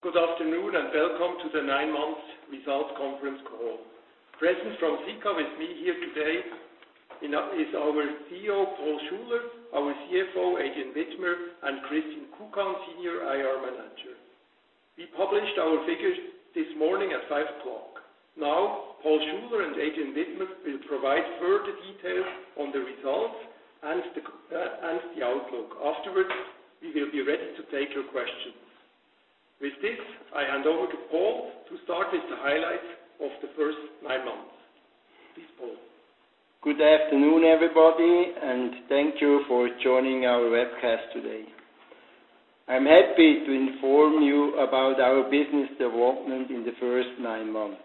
Good afternoon, and welcome to the nine months results conference call. Present from Sika with me here today is our CEO, Paul Schuler, our CFO, Adrian Widmer, and Christine Kukan, Senior IR Manager. We published our figures this morning at 5:00 A.M. Paul Schuler and Adrian Widmer will provide further details on the results and the outlook. Afterwards, we will be ready to take your questions. With this, I hand over to Paul to start with the highlights of the first nine months. Please, Paul. Good afternoon, everybody. Thank you for joining our webcast today. I'm happy to inform you about our business development in the first nine months.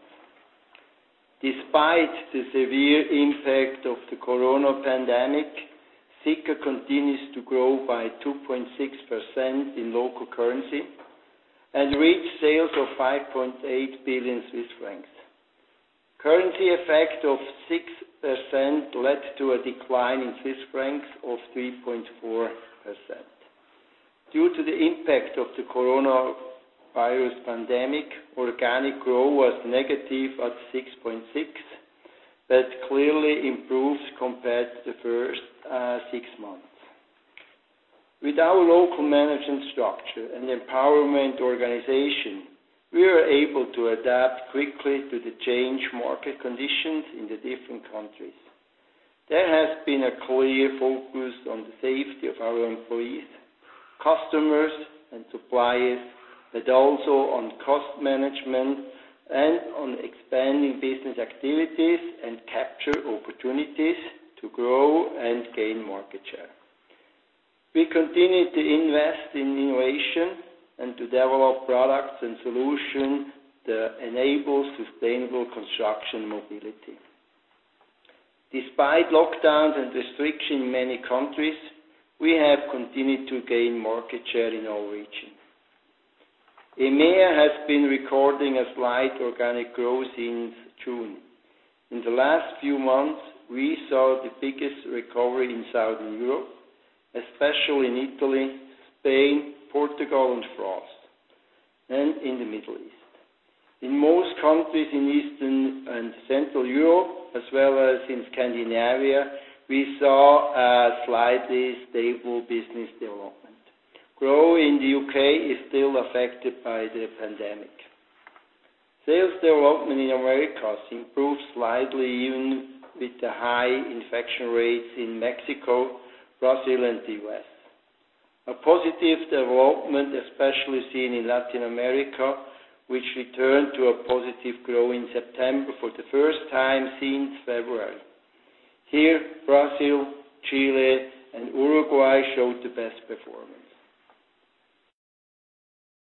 Despite the severe impact of the coronavirus pandemic, Sika continues to grow by 2.6% in local currency and reach sales of 5.8 billion Swiss francs. Currency effect of 6% led to a decline in CHF of 3.4%. Due to the impact of the coronavirus pandemic, organic growth was negative at 6.6%, but clearly improves compared to the first six months. With our local management structure and empowerment organization, we are able to adapt quickly to the changed market conditions in the different countries. There has been a clear focus on the safety of our employees, customers, and suppliers, but also on cost management and on expanding business activities and capture opportunities to grow and gain market share. We continue to invest in innovation and to develop products and solutions that enable sustainable construction mobility. Despite lockdowns and restrictions in many countries, we have continued to gain market share in our regions. EMEA has been recording a slight organic growth since June. In the last few months, we saw the biggest recovery in Southern Europe, especially in Italy, Spain, Portugal, and France, and in the Middle East. In most countries in Eastern and Central Europe, as well as in Scandinavia, we saw a slightly stable business development. Growth in the U.K. is still affected by the pandemic. Sales development in Americas improved slightly, even with the high infection rates in Mexico, Brazil, and the U.S. A positive development, especially seen in Latin America, which returned to a positive growth in September for the first time since February. Here, Brazil, Chile, and Uruguay showed the best performance.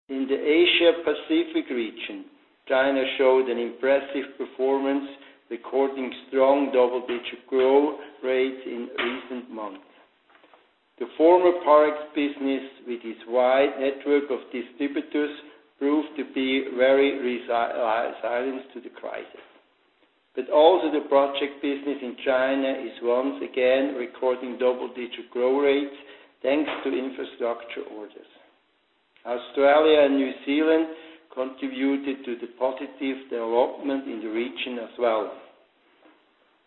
In the Asia-Pacific region, China showed an impressive performance, recording strong double-digit growth rates in recent months. The former Parex business, with its wide network of distributors, proved to be very resilient to the crisis. Also the project business in China is once again recording double-digit growth rates, thanks to infrastructure orders. Australia and New Zealand contributed to the positive development in the region as well.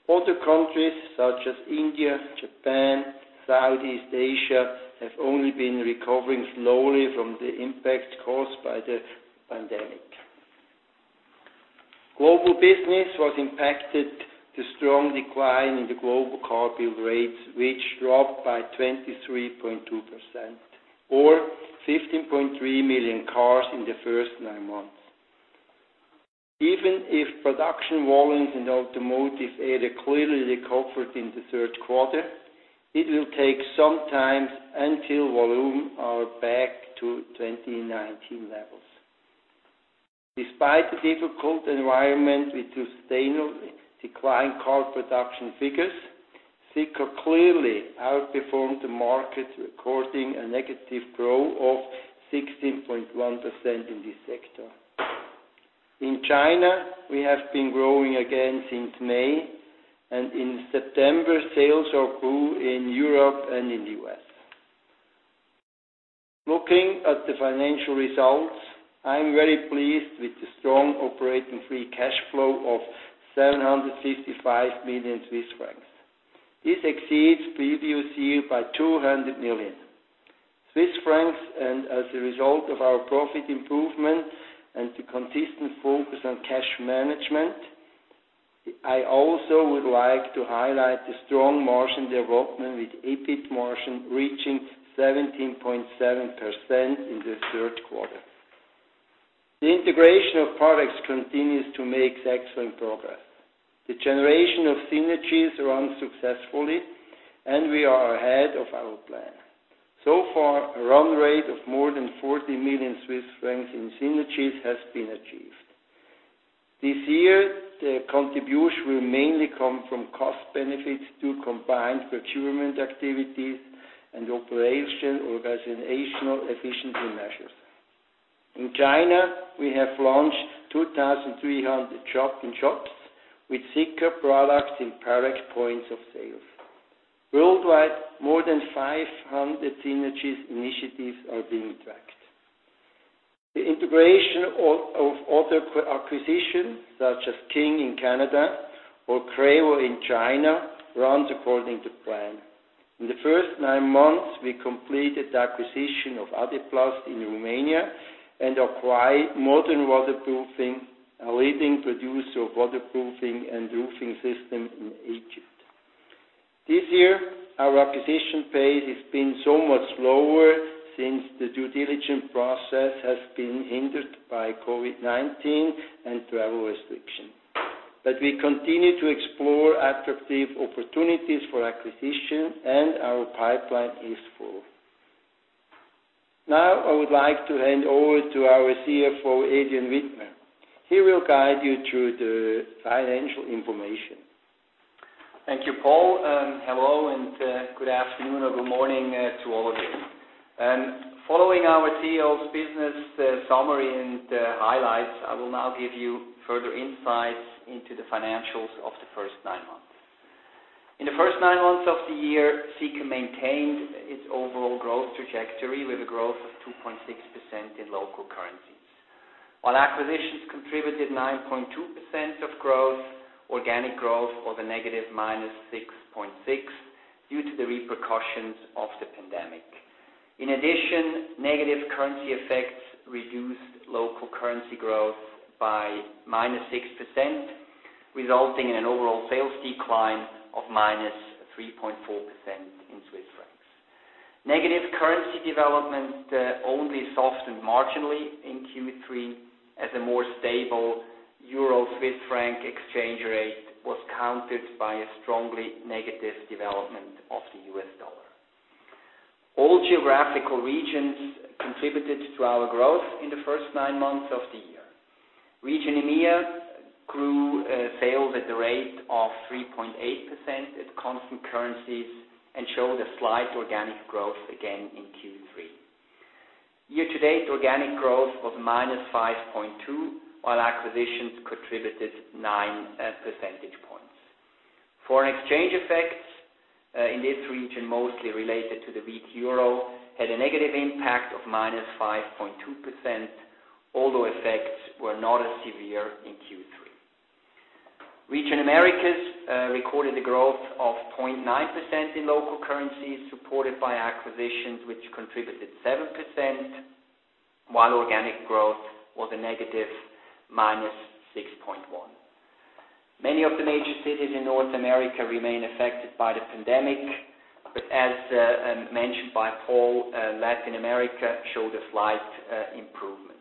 Other countries such as India, Japan, Southeast Asia, have only been recovering slowly from the impact caused by the pandemic. Global business was impacted. The strong decline in the global car build rates, which dropped by 23.2%, or 15.3 million cars in the first nine months. Even if production volumes in automotive area clearly recovered in the third quarter, it will take some time until volume are back to 2019 levels. Despite the difficult environment with sustainable decline car production figures, Sika clearly outperformed the market, recording a negative growth of 16.1% in this sector. In China, we have been growing again since May, and in September, sales grew in Europe and in the U.S. Looking at the financial results, I am very pleased with the strong operating free cash flow of 765 million Swiss francs. This exceeds previous year by 200 million Swiss francs, and as a result of our profit improvement and the consistent focus on cash management, I also would like to highlight the strong margin development with EBIT margin reaching 17.7% in the third quarter. The integration of Parex continues to make excellent progress. The generation of synergies runs successfully, and we are ahead of our plan. So far, a run rate of more than 40 million Swiss francs in synergies has been achieved. This year, the contribution will mainly come from cost benefits to combined procurement activities and operation organizational efficiency. In China, we have launched 2,300 shop-in-shops with Sika products in Parex points of sales. Worldwide, more than 500 synergies initiatives are being tracked. The integration of other acquisitions, such as King in Canada or Crevo in China, runs according to plan. In the first nine months, we completed the acquisition of Adeplast in Romania and acquired Modern Waterproofing, a leading producer of waterproofing and roofing systems in Egypt. This year, our acquisition pace has been so much slower since the due diligence process has been hindered by COVID-19 and travel restriction. We continue to explore attractive opportunities for acquisition, and our pipeline is full. Now, I would like to hand over to our CFO Adrian Widmer. He will guide you through the financial information. Thank you, Paul. Hello, good afternoon or good morning to all of you. Following our CEO's business summary and highlights, I will now give you further insights into the financials of the first nine months. In the first nine months of the year, Sika maintained its overall growth trajectory with a growth of 2.6% in local currencies. While acquisitions contributed 9.2% of growth, organic growth was a negative -6.6% due to the repercussions of the pandemic. In addition, negative currency effects reduced local currency growth by -6%, resulting in an overall sales decline of -3.4% in CHF. Negative currency development only softened marginally in Q3, as a more stable euro-Swiss franc exchange rate was countered by a strongly negative development of the U.S. dollar. All geographical regions contributed to our growth in the first nine months of the year. Region EMEA grew sales at the rate of 3.8% at constant currencies and showed a slight organic growth again in Q3. Year-to-date organic growth was -5.2%, while acquisitions contributed nine percentage points. Foreign exchange effects, in this region, mostly related to the weak euro, had a negative impact of -5.2%, although effects were not as severe in Q3. Region Americas recorded a growth of 0.9% in local currency, supported by acquisitions which contributed 7%, while organic growth was a negative -6.1%. Many of the major cities in North America remain affected by the pandemic, but as mentioned by Paul, Latin America showed a slight improvement.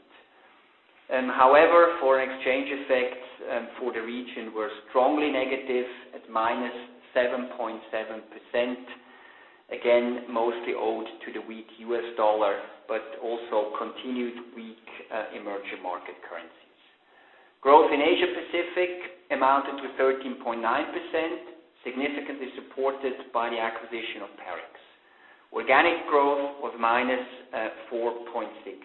However, foreign exchange effects for the region were strongly negative at -7.7%, again, mostly owed to the weak U.S. dollar, but also continued weak emerging market currencies. Growth in Asia Pacific amounted to 13.9%, significantly supported by the acquisition of Parex. Organic growth was -4.6%.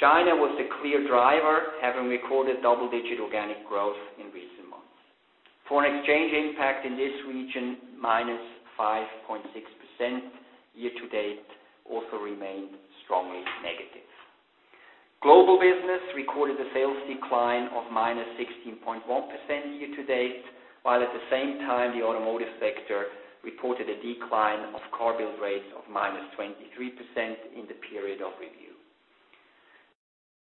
China was a clear driver, having recorded double-digit organic growth in recent months. Foreign exchange impact in this region, -5.6%, year-to-date also remained strongly negative. Global business recorded a sales decline of -16.1% year-to-date, while at the same time, the automotive sector reported a decline of car build rates of -23% in the period of review.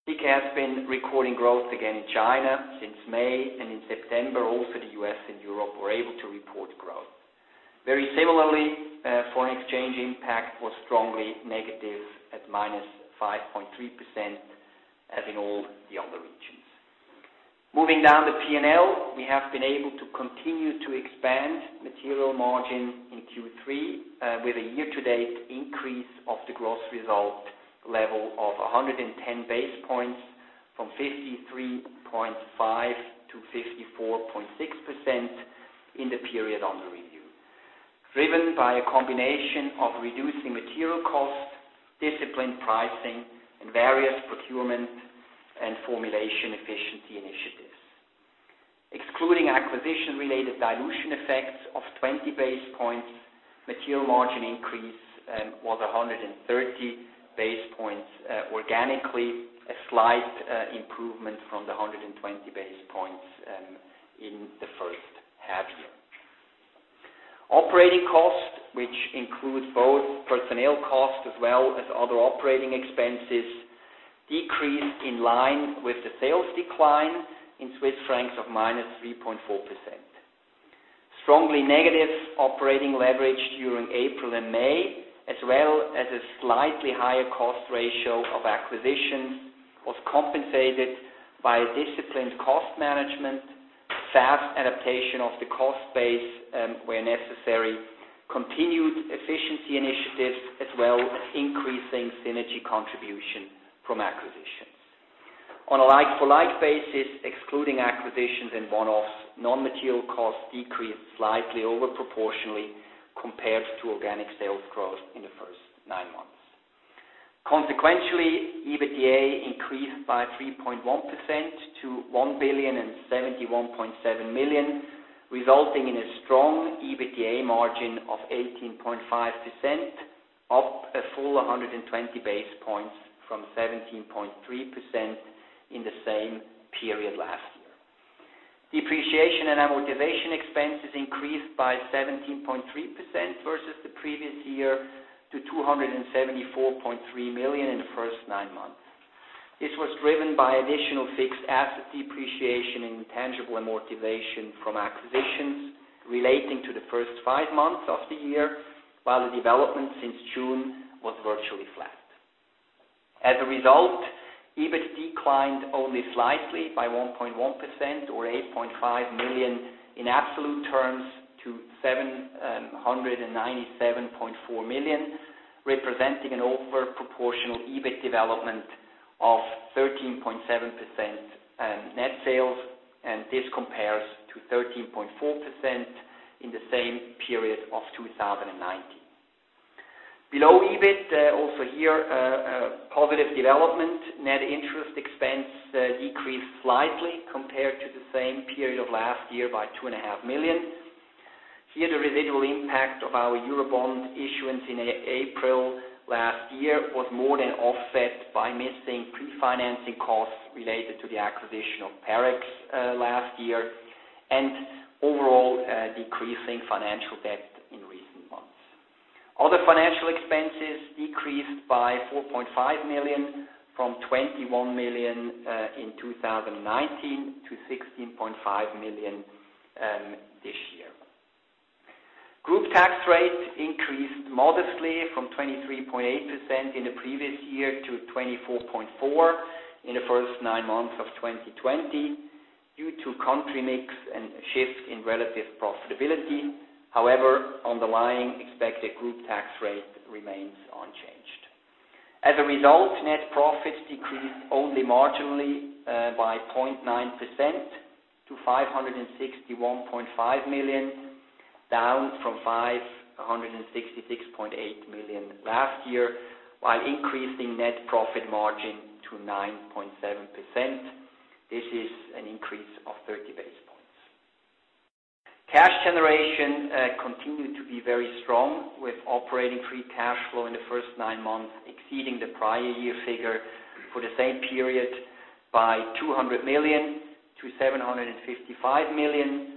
Sika has been recording growth again in China since May, and in September, also the U.S. and Europe were able to report growth. Very similarly, foreign exchange impact was strongly negative at -5.3%, as in all the other regions. Moving down the P&L, we have been able to continue to expand material margin in Q3 with a year-to-date increase of the gross result level of 110 basis points from 53.5% to 54.6% in the period under review, driven by a combination of reducing material costs, disciplined pricing, and various procurement and formulation efficiency initiatives. Excluding acquisition-related dilution effects of 20 basis points, material margin increase was 130 basis points organically, a slight improvement from the 120 basis points in the first half-year. Operating costs, which include both personnel costs as well as other operating expenses, decreased in line with the sales decline in CHF of -3.4%. Strongly negative operating leverage during April and May, as well as a slightly higher cost ratio of acquisitions, was compensated by a disciplined cost management, fast adaptation of the cost base where necessary, continued efficiency initiatives, as well as increasing synergy contribution from acquisitions. On a like-for-like basis, excluding acquisitions and one-offs, non-material costs decreased slightly over proportionally compared to organic sales growth in the first nine months. Consequentially, EBITDA increased by 3.1% to 1,071.7 million, resulting in a strong EBITDA margin of 18.5%, up a full 120 basis points from 17.3% in the same period last year. Depreciation and amortization expenses increased by 17.3% versus the previous year to 274.3 million in the first nine months. This was driven by additional fixed asset depreciation and intangible amortization from acquisitions relating to the first five months of the year, while the development since June was virtually flat. As a result, EBIT declined only slightly by 1.1%, or 8.5 million in absolute terms to 797.4 million, representing an over-proportional EBIT development of 13.7% net sales. This compares to 13.4% in the same period of 2019. Below EBIT, also here, a positive development. Net interest expense decreased slightly compared to the same period of last year by 2.5 million. Here, the residual impact of our Eurobond issuance in April last year was more than offset by missing pre-financing costs related to the acquisition of Parex last year, and overall decreasing financial debt in recent months. Other financial expenses decreased by 4.5 million from 21 million in 2019 to 16.5 million this year. Group tax rates increased modestly from 23.8% in the previous year to 24.4% in the first nine months of 2020, due to country mix and shift in relative profitability. Underlying expected group tax rate remains unchanged. As a result, net profits decreased only marginally, by 0.9% to 561.5 million, down from 566.8 million last year, while increasing net profit margin to 9.7%. This is an increase of 30 basis points. Cash generation continued to be very strong, with operating free cash flow in the first nine months exceeding the prior year figure for the same period by 200 million to 755 million.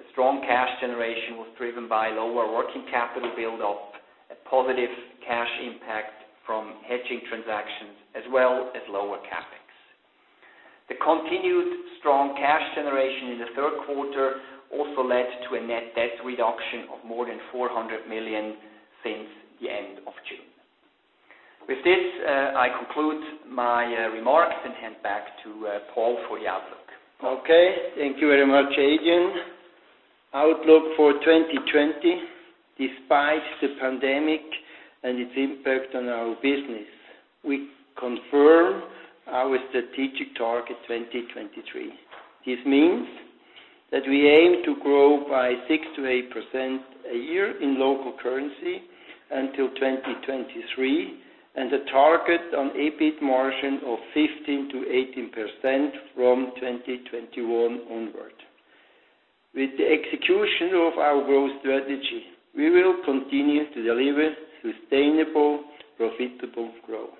The strong cash generation was driven by lower working capital build-off, a positive cash impact from hedging transactions, as well as lower CapEx. The continued strong cash generation in the third quarter also led to a net debt reduction of more than 400 million since the end of June. With this, I conclude my remarks and hand back to Paul for the outlook. Okay, thank you very much, Adrian. Outlook for 2020, despite the pandemic and its impact on our business, we confirm our strategic target 2023. This means that we aim to grow by 6%-8% a year in local currency until 2023, and the target on EBIT margin of 15%-18% from 2021 onward. With the execution of our growth strategy, we will continue to deliver sustainable, profitable growth.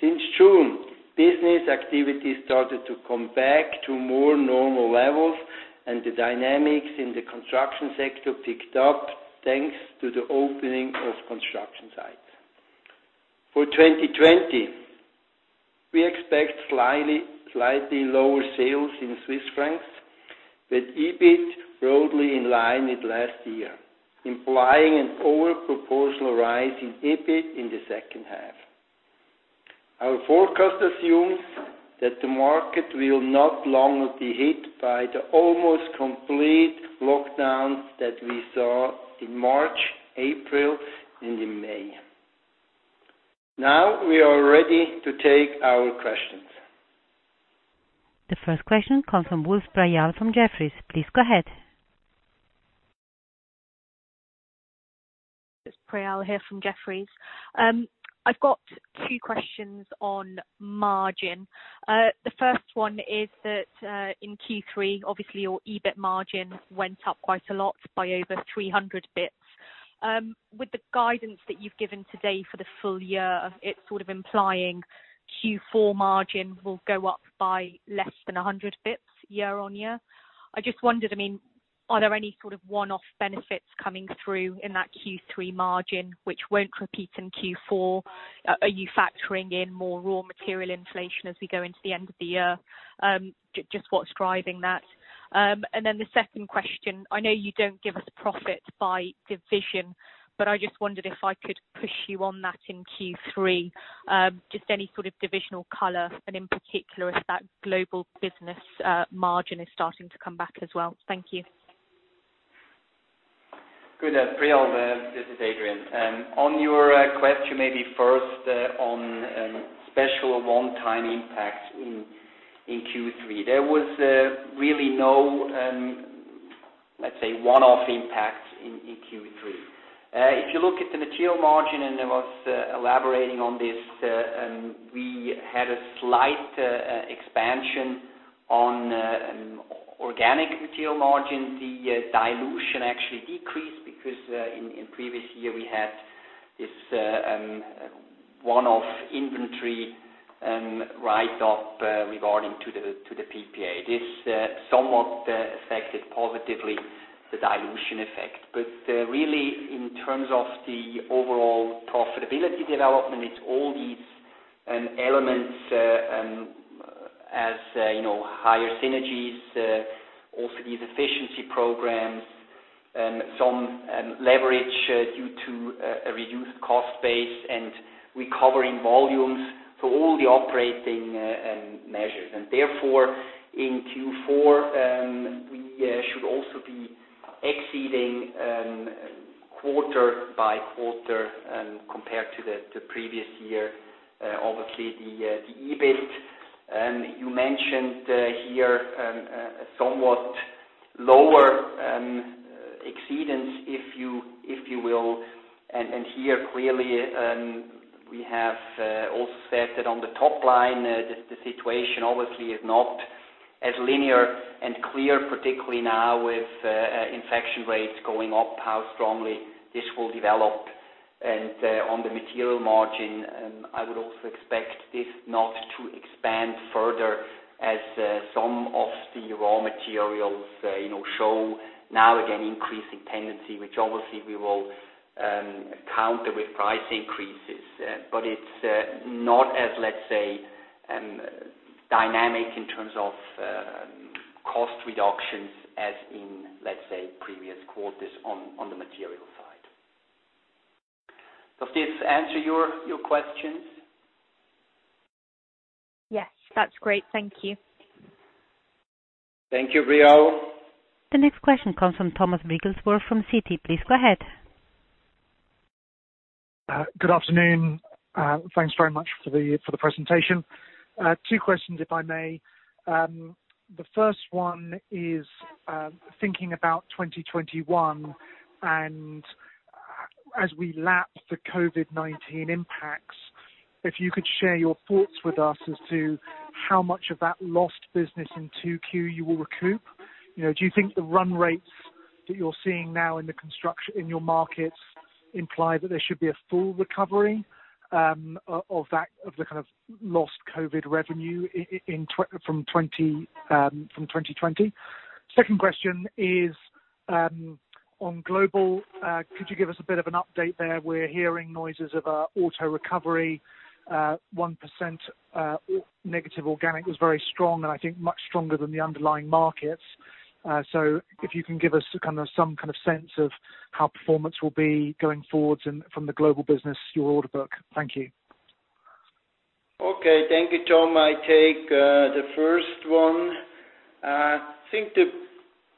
Since June, business activity started to come back to more normal levels, and the dynamics in the construction sector picked up, thanks to the opening of construction sites. For 2020, we expect slightly lower sales in Swiss francs, with EBIT broadly in line with last year, implying an over-proportional rise in EBIT in the second half. Our forecast assumes that the market will not longer be hit by the almost complete lockdowns that we saw in March, April, and in May. Now, we are ready to take our questions. The first question comes from Priyal from Jefferies. Please go ahead. It's Priyal here from Jefferies. I've got two questions on margin. The first one is that, in Q3, obviously your EBIT margin went up quite a lot by over 300 basis points. With the guidance that you've given today for the full year, it's sort of implying Q4 margin will go up by less than 100 basis points year-on-year. I just wondered, are there any sort of one-off benefits coming through in that Q3 margin which won't repeat in Q4? Are you factoring in more raw material inflation as we go into the end of the year? Just what's driving that? The second question, I know you don't give us profit by division, but I just wondered if I could push you on that in Q3. Just any sort of divisional color, and in particular, if that global business margin is starting to come back as well. Thank you. Good afternoon. This is Adrian. On your question, maybe first on special one-time impacts in Q3. There was really no, let's say, one-off impact in Q3. If you look at the material margin, and I was elaborating on this, we had a slight expansion on organic material margin. The dilution actually decreased because in previous year we had this one-off inventory write off regarding to the PPA. This somewhat affected positively the dilution effect. Really, in terms of the overall profitability development, it's all these elements as higher synergies, also these efficiency programs, some leverage due to a reduced cost base and recovering volumes. All the operating measures. Therefore, in Q4, we should also be exceeding quarter by quarter compared to the previous year. Obviously, the EBIT, you mentioned here, somewhat lower exceedance, if you will. Here clearly, we have also said that on the top line, the situation obviously is not as linear and clear, particularly now with infection rates going up, how strongly this will develop. On the material margin, I would also expect this not to expand further as some of the raw materials show now, again, increasing tendency, which obviously we will counter with price increases. It's not as, let's say, dynamic in terms of cost reductions as in, let's say, previous quarters on the material side. Does this answer your questions? Yes. That's great. Thank you. Thank you, Priyal. The next question comes from Thomas Wrigglesworth from Citi. Please go ahead. Good afternoon. Thanks very much for the presentation. Two questions, if I may. The first one is, thinking about 2021, and as we lap the COVID-19 impacts, if you could share your thoughts with us as to how much of that lost business in 2Q you will recoup. Do you think the run rates that you're seeing now in your markets imply that there should be a full recovery of the kind of lost COVID revenue from 2020? Second question is on global. Could you give us a bit of an update there? We're hearing noises of auto recovery, 1% negative organic was very strong, and I think much stronger than the underlying markets. If you can give us some kind of sense of how performance will be going forwards and from the global business, your order book? Thank you. Okay. Thank you, Tom. I take the first one. I think the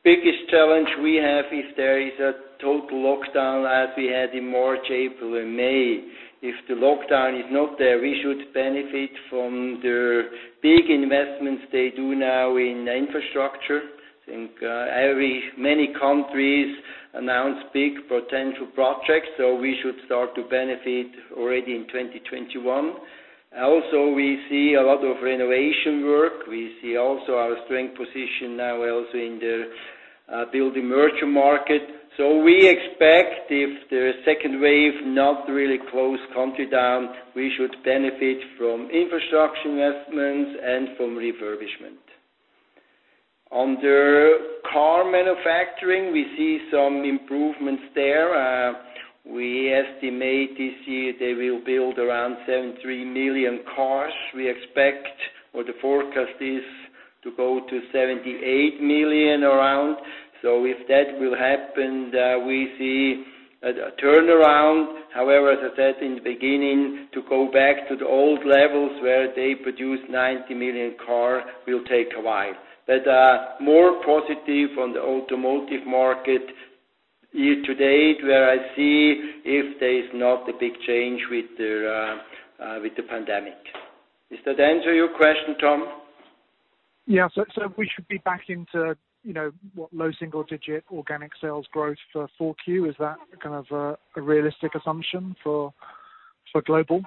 biggest challenge we have is there is a total lockdown as we had in March, April and May. If the lockdown is not there, we should benefit from the big investments they do now in infrastructure. Many countries announce big potential projects, we should start to benefit already in 2021. Also, we see a lot of renovation work. We see also our strength position now also in the building merchant market. We expect if the second wave not really close country down, we should benefit from infrastructure investments and from refurbishment. On the car manufacturing, we see some improvements there. We estimate this year they will build around 73 million cars. We expect, or the forecast is to go to 78 million around. If that will happen, we see a turnaround. As I said in the beginning, to go back to the old levels where they produce 90 million car will take a while. More positive on the automotive market year to date, where I see if there is not a big change with the pandemic. Does that answer your question, Tom? Yeah. We should be back into what low single digit organic sales growth for 4Q. Is that kind of a realistic assumption for global?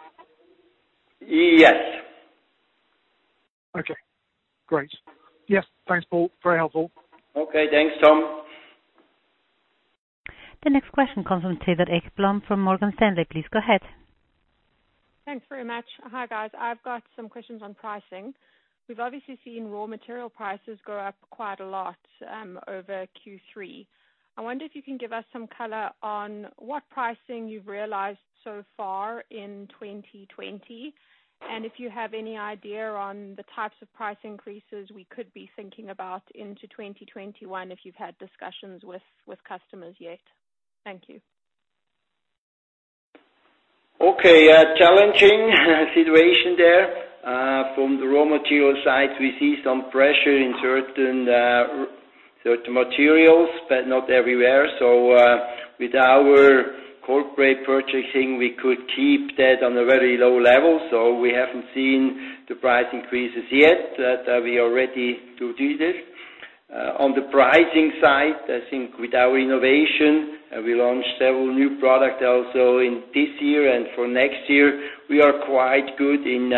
Yes. Okay, great. Yes, thanks, Paul. Very helpful. Okay, thanks, Tom. The next question comes from Cedar Ekblom from Morgan Stanley. Please go ahead. Thanks very much. Hi, guys. I've got some questions on pricing. We've obviously seen raw material prices go up quite a lot over Q3. I wonder if you can give us some color on what pricing you've realized so far in 2020, and if you have any idea on the types of price increases we could be thinking about into 2021, if you've had discussions with customers yet. Thank you. Yeah, challenging situation there. From the raw material side, we see some pressure in certain materials, but not everywhere. With our corporate purchasing, we could keep that on a very low level. We haven't seen the price increases yet, but we are ready to do this. On the pricing side, I think with our innovation, we launched several new product also in this year and for next year. We are quite good in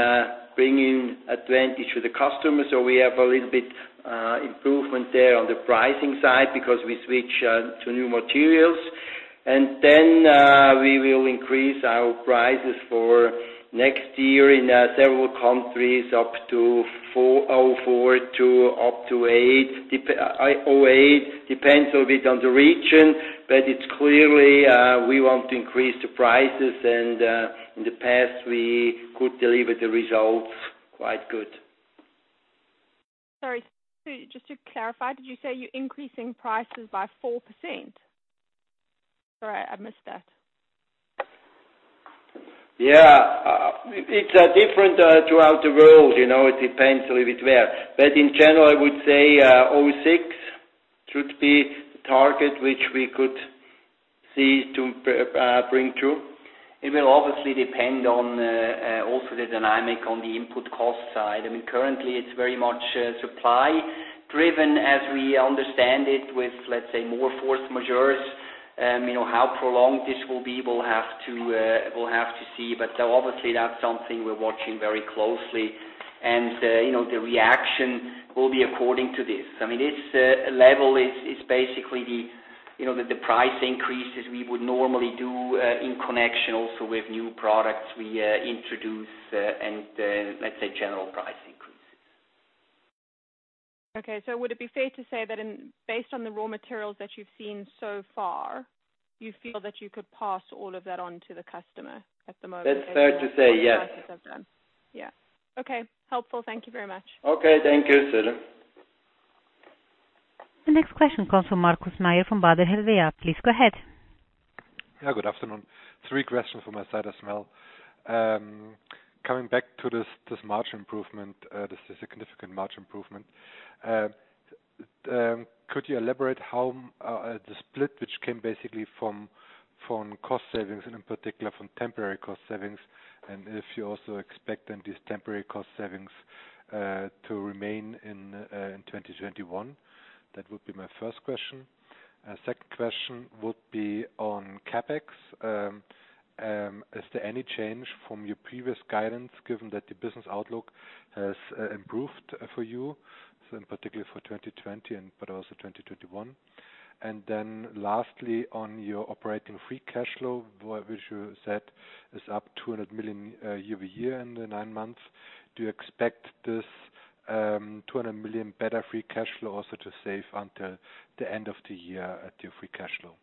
bringing advantage to the customer, so we have a little bit improvement there on the pricing side because we switch to new materials. We will increase our prices for next year in several countries up to 4% 04% to up to 8%, depends a bit on the region. It's clearly, we want to increase the prices, and in the past, we could deliver the results quite good. Sorry, just to clarify, did you say you're increasing prices by 4%? Sorry, I missed that. Yeah. It's different throughout the world. It depends a little bit where. In general, I would say, 06% should be the target which we could see to bring through. It will obviously depend on also the dynamic on the input cost side. Currently, it's very much supply driven, as we understand it with, let's say, more force majeure. How prolonged this will be, we'll have to see. Obviously that's something we're watching very closely, and the reaction will be according to this. This level is basically the price increases we would normally do in connection also with new products we introduce, and let's say general price increases. Okay. Would it be fair to say that based on the raw materials that you've seen so far, you feel that you could pass all of that on to the customer at the moment? That's fair to say, yes. Yeah. Okay. Helpful. Thank you very much. Okay. Thank you, Cedar. The next question comes from Markus Mayer from Baader Helvea. Please go ahead. Yeah, good afternoon. Three questions from my side as well. Coming back to this margin improvement, this is a significant margin improvement. Could you elaborate how the split, which came basically from cost savings and in particular from temporary cost savings, and if you also expect then these temporary cost savings to remain in 2021? That would be my first question. Second question would be on CapEx. Is there any change from your previous guidance given that the business outlook has improved for you, in particular for 2020 but also 2021? Lastly, on your operating free cash flow, which you said is up 200 million year-over-year in the nine months, do you expect this 200 million better free cash flow also to save until the end of the year at your free cash flow?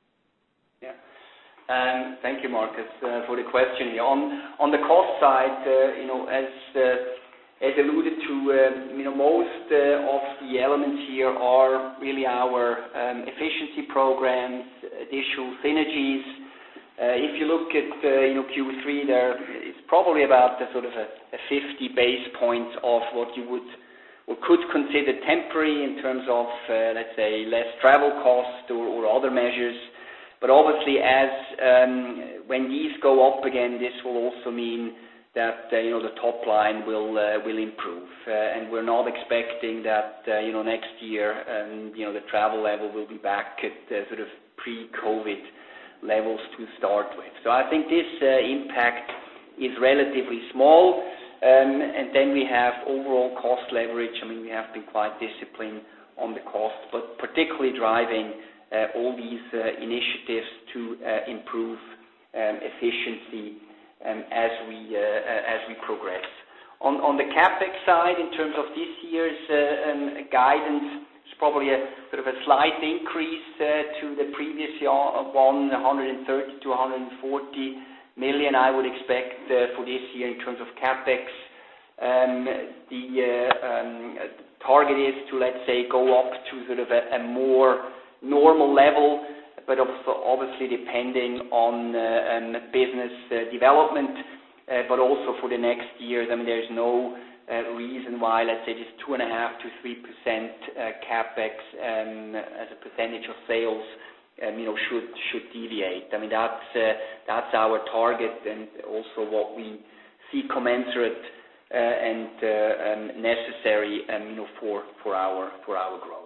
Thank you, Markus, for the question. On the cost side, as alluded to, most of the elements here are really our efficiency programs, additional synergies. If you look at your Q3 there, it's probably about the sort of a 50 basis points of what you would or could consider temporary in terms of, let's say, less travel cost or other measures. Obviously, when these go up again, this will also mean that the top line will improve. We're not expecting that next year, the travel level will be back at sort of pre-COVID levels to start with. I think this impact is relatively small. We have overall cost leverage. We have been quite disciplined on the cost, particularly driving all these initiatives to improve efficiency as we progress. On the CapEx side, in terms of this year's guidance, it's probably a sort of a slight increase to the previous year, 130 million-140 million, I would expect for this year in terms of CapEx. The target is to, let's say, go up to sort of a more normal level, but obviously depending on business development, but also for the next years. There's no reason why, let's say, this 2.5%-3% CapEx as a percentage of sales should deviate. That's our target and also what we see commensurate and necessary for our growth.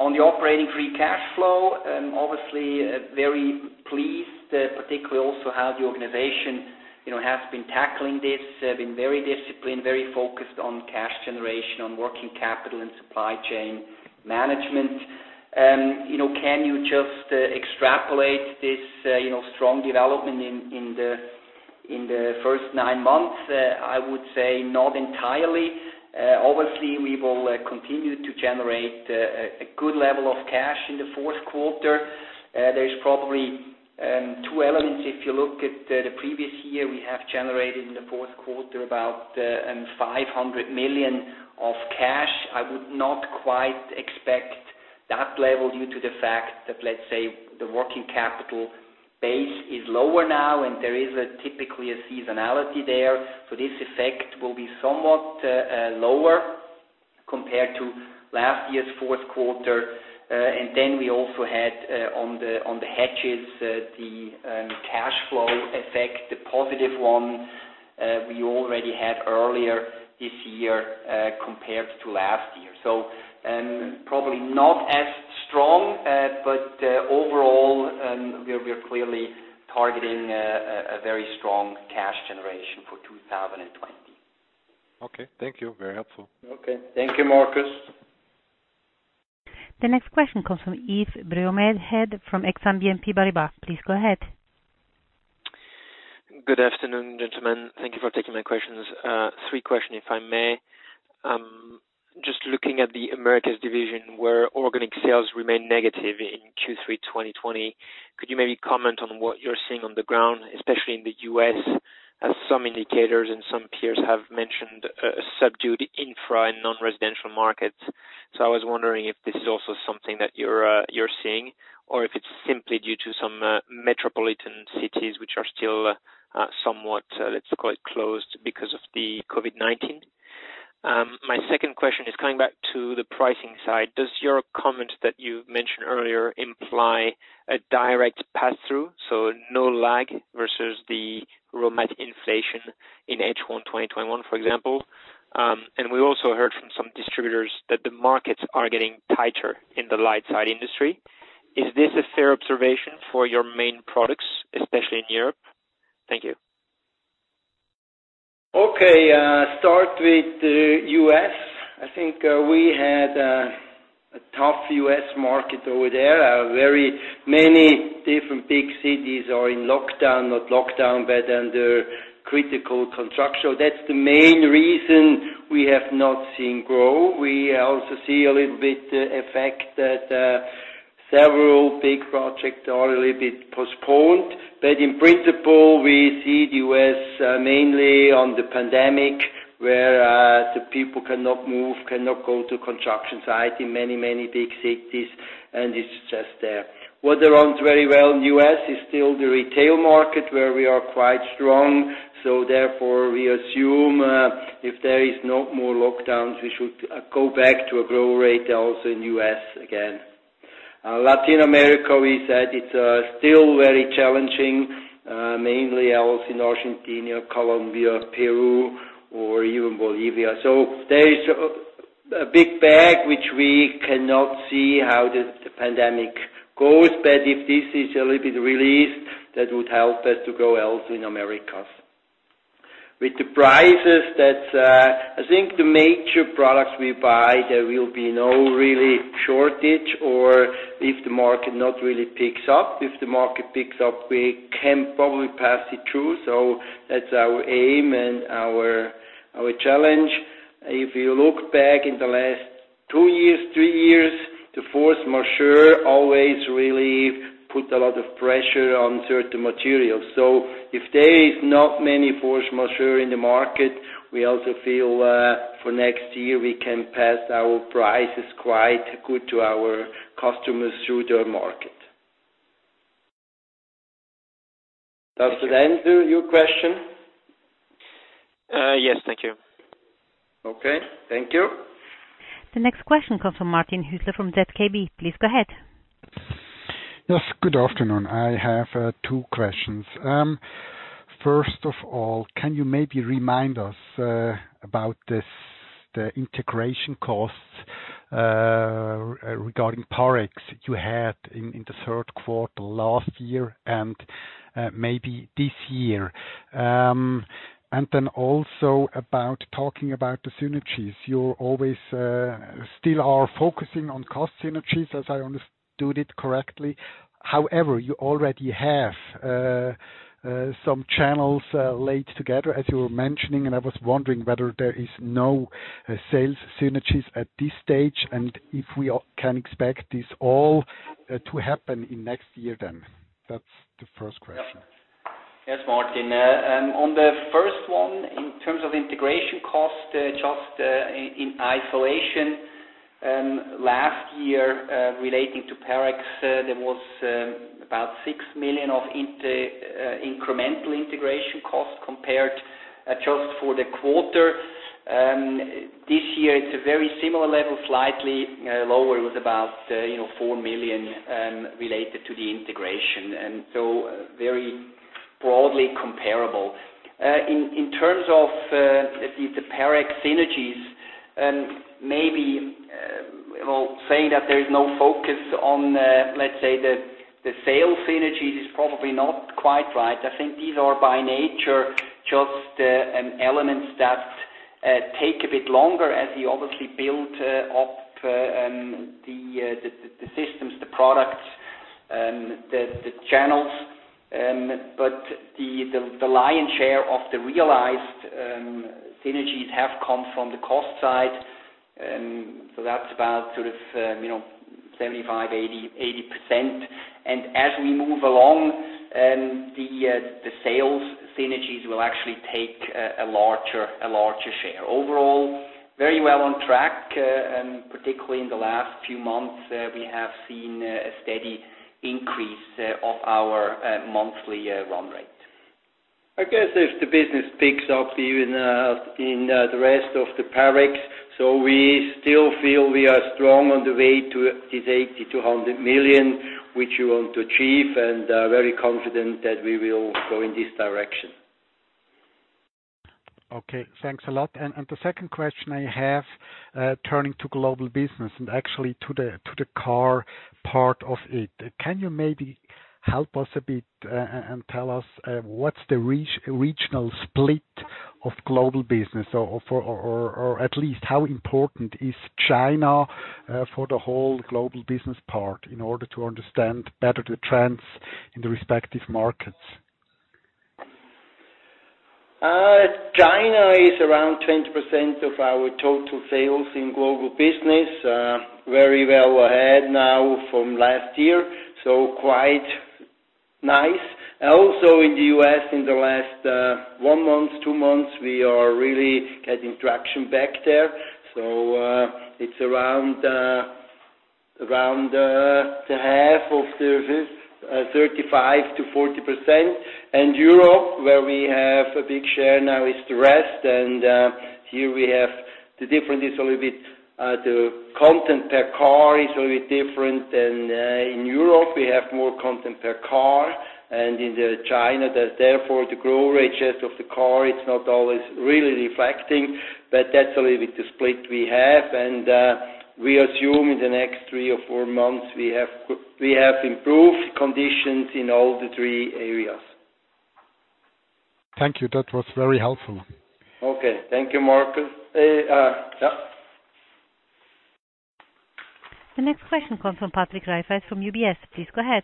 On the operating free cash flow, obviously very pleased, particularly also how the organization has been tackling this, been very disciplined, very focused on cash generation, on working capital and supply chain management. Can you just extrapolate this strong development in the first nine months? I would say not entirely. We will continue to generate a good level of cash in the fourth quarter. There's probably two elements. If you look at the previous year, we have generated in the fourth quarter about 500 million of cash. I would not quite expect that level due to the fact that, let's say, the working capital base is lower now, and there is typically a seasonality there. This effect will be somewhat lower compared to last year's fourth quarter. We also had, on the hedges, the cash flow effect, the positive one we already had earlier this year, compared to last year. Probably not as strong, but overall, we are clearly targeting a very strong cash generation for 2020. Okay. Thank you, very helpful. Okay. Thank you, Markus. The next question comes from Yves Bromehead from Exane BNP Paribas. Please go ahead. Good afternoon, gentlemen. Thank you for taking my questions. Three question, if I may. Just looking at the Americas division, where organic sales remain negative in Q3 2020, could you maybe comment on what you're seeing on the ground, especially in the U.S., as some indicators and some peers have mentioned a subdued infra and non-residential markets. I was wondering if this is also something that you're seeing, or if it's simply due to some metropolitan cities which are still somewhat, let's call it, closed because of the COVID-19. My second question is coming back to the pricing side. Does your comment that you mentioned earlier imply a direct passthrough, so no lag versus the raw material inflation in H1 2021, for example? We also heard from some distributors that the markets are getting tighter in the light side industry. Is this a fair observation for your main products, especially in Europe? Thank you. Okay. Start with the U.S. I think we had a tough U.S. market over there. Very many different big cities are in lockdown. Not lockdown, but under critical construction. That's the main reason we have not seen growth. We also see a little bit effect that several big projects are a little bit postponed. In principle, we see the U.S. mainly on the pandemic, where the people cannot move, cannot go to construction site in many, many big cities, and it's just there. What runs very well in the U.S. is still the retail market, where we are quite strong. Therefore, we assume, if there is no more lockdowns, we should go back to a growth rate also in U.S. again. Latin America, we said it's still very challenging, mainly also in Argentina, Colombia, Peru, or even Bolivia. There is a big bug which we cannot see how the pandemic goes, but if this is a little bit released, that would help us to grow also in Americas. With the prices, I think the major products we buy, there will be no really shortage, or if the market not really picks up. If the market picks up, we can probably pass it through. That's our aim and our challenge. If you look back in the last two years, three years, the force majeure always really put a lot of pressure on certain materials. If there is not many force majeure in the market, we also feel for next year, we can pass our prices quite good to our customers through their market. Does that answer your question? Yes. Thank you. Okay. Thank you. The next question comes from Martin Hüsler from ZKB. Please go ahead. Yes, good afternoon. I have two questions. First of all, can you maybe remind us about the integration costs regarding Parex you had in the third quarter last year and maybe this year? Also talking about the synergies. You always still are focusing on cost synergies, as I understood it correctly. However, you already have some channels laid together, as you were mentioning, and I was wondering whether there is no sales synergies at this stage, and if we can expect this all to happen in next year, then. That's the first question. Yes, Martin. On the first one, in terms of integration cost, just in isolation, last year, relating to Parex, there was about 6 million of incremental integration cost compared just for the quarter. This year it's a very similar level, slightly lower, with about 4 million related to the integration. Very broadly comparable. In terms of, let's say, the Parex synergies, maybe saying that there is no focus on the sales synergies is probably not quite right. I think these are by nature just elements that take a bit longer as you obviously build up the systems, the products, the channels. The lion's share of the realized synergies have come from the cost side. That's about sort of 75%-80%. As we move along, the sales synergies will actually take a larger share. Very well on track, particularly in the last few months, we have seen a steady increase of our monthly run rate. I guess if the business picks up even in the rest of the Parex, we still feel we are strong on the way to this 80 million-100 million, which we want to achieve, and very confident that we will go in this direction. Okay, thanks a lot. The second question I have, turning to global business and actually to the car part of it. Can you maybe help us a bit and tell us what's the regional split of global business or at least how important is China for the whole global business part in order to understand better the trends in the respective markets? China is around 20% of our total sales in global business. Very well ahead now from last year, quite nice. Also in the U.S., in the last one month, two months, we are really getting traction back there. It's around the half of the 35%-40%. Europe, where we have a big share now, is the rest. Here we have the difference is a little bit, the content per car is a bit different than in Europe. We have more content per car. In China, therefore, the growth rate just of the car, it's not always really reflecting. That's a little bit the split we have, and we assume in the next three or four months, we have improved conditions in all the three areas. Thank you. That was very helpful. Okay. Thank you, Markus. Yeah. The next question comes from Patrick Rafaisz from UBS. Please go ahead.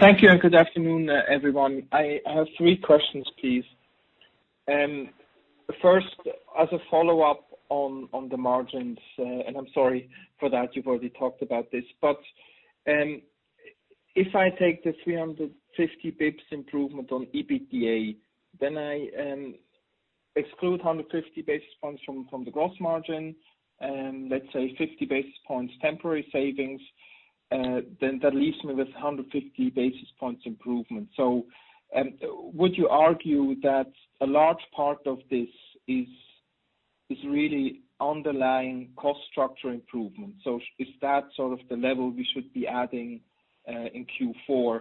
Thank you. Good afternoon, everyone. I have three questions, please. First, as a follow-up on the margins, and I'm sorry for that, you've already talked about this. If I take the 350 basis points improvement on EBITDA, I exclude 150 basis points from the gross margin, let's say 50 basis points temporary savings, that leaves me with 150 basis points improvement. Would you argue that a large part of this is really underlying cost structure improvement? Is that sort of the level we should be adding in Q4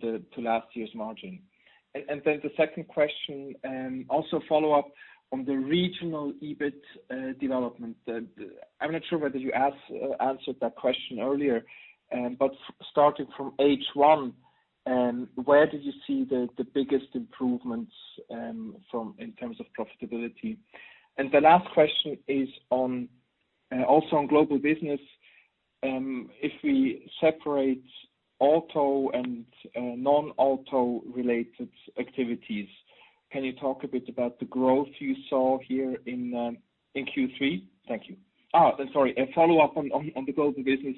to last year's margin? The second question, also follow up on the regional EBIT development. I'm not sure whether you answered that question earlier, starting from H1, where did you see the biggest improvements in terms of profitability? The last question is also on global business. If we separate auto and non-auto related activities, can you talk a bit about the growth you saw here in Q3? Thank you. Sorry, a follow-up on the global business.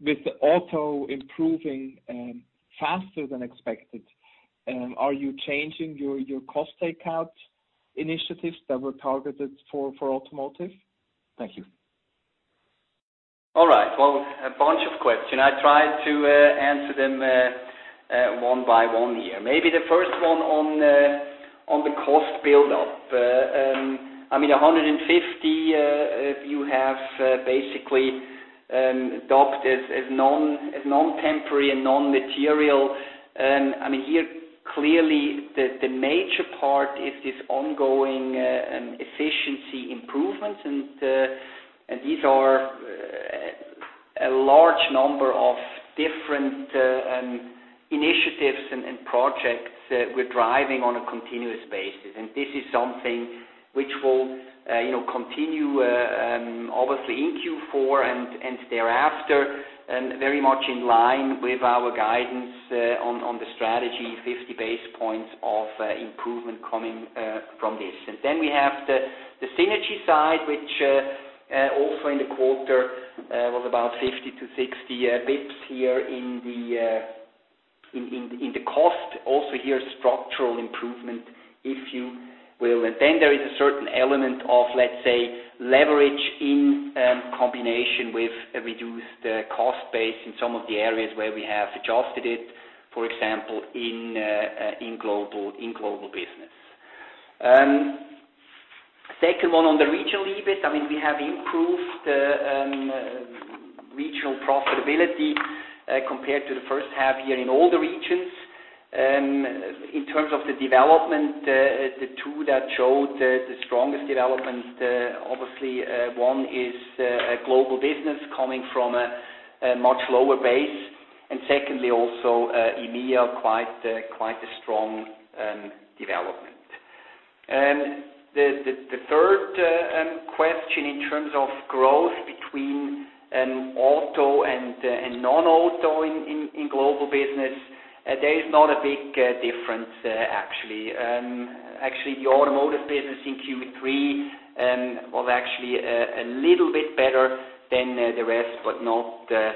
With auto improving faster than expected, are you changing your cost takeout initiatives that were targeted for automotive? Thank you. All right. Well, a bunch of questions. I try to answer them one by one here. Maybe the first one on the cost buildup. I mean, 150, you have basically adopt as non-temporary and non-material. I mean, here, clearly, the major part is this ongoing efficiency improvements. These are a large number of different initiatives and projects we're driving on a continuous basis. This is something which will continue obviously in Q4 and thereafter, very much in line with our guidance on the strategy, 50 basis points of improvement coming from this. We have the synergy side, which also in the quarter was about 50 basis points-60 basis points here in the cost. Also here, structural improvement, if you will. There is a certain element of, let's say, leverage in combination with a reduced cost base in some of the areas where we have adjusted it, for example, in Global Business. Second one on the regional EBIT, I mean, we have improved regional profitability compared to the first half here in all the regions. In terms of the development, the two that showed the strongest development, obviously one is Global Business coming from a much lower base, and secondly, also EMEA, quite a strong development. The third question in terms of growth between auto and non-auto in Global Business, there is not a big difference, actually. The Automotive Business in Q3 was actually a little bit better than the rest, but not a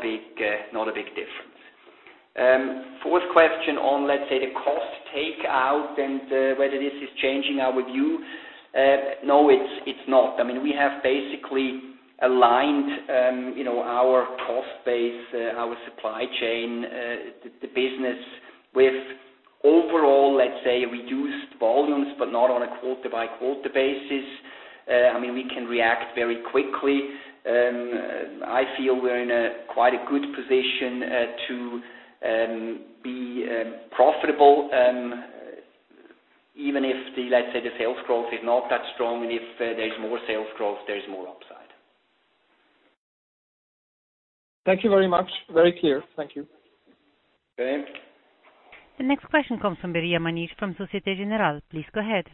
big difference. Fourth question on, let's say, the cost takeout and whether this is changing our view. No, it's not. We have basically aligned our cost base, our supply chain, the business with overall, let's say, reduced volumes, but not on a quarter-by-quarter basis. We can react very quickly. I feel we're in quite a good position to be profitable, even if, let's say, the sales growth is not that strong. If there is more sales growth, there is more upside. Thank you very much. Very clear. Thank you. Okay. The next question comes from Manish Beria from Societe Generale. Please go ahead.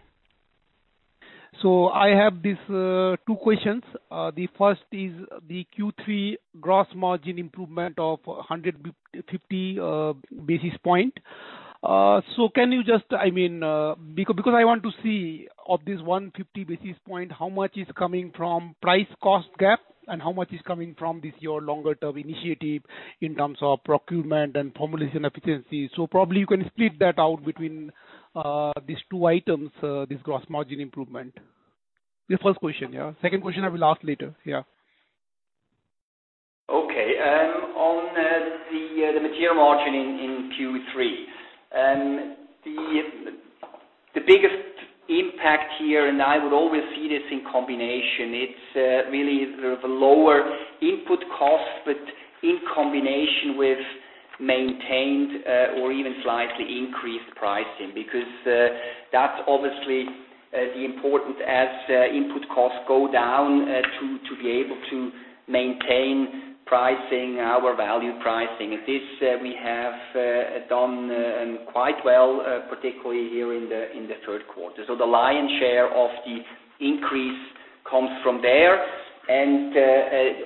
I have these two questions. The first is the Q3 gross margin improvement of 150 basis points. I want to see of this 150 basis points, how much is coming from price cost gap and how much is coming from this year longer term initiative in terms of procurement and formulation efficiency. Probably you can split that out between these two items, this gross margin improvement. The first question. Second question, I will ask later. Okay. On the material margin in Q3. The biggest impact here, and I would always see this in combination, it's really the lower input costs, but in combination with maintained or even slightly increased pricing. That's obviously the important as input costs go down, to be able to maintain pricing, our value pricing. This we have done quite well, particularly here in the third quarter. The lion's share of the increase comes from there.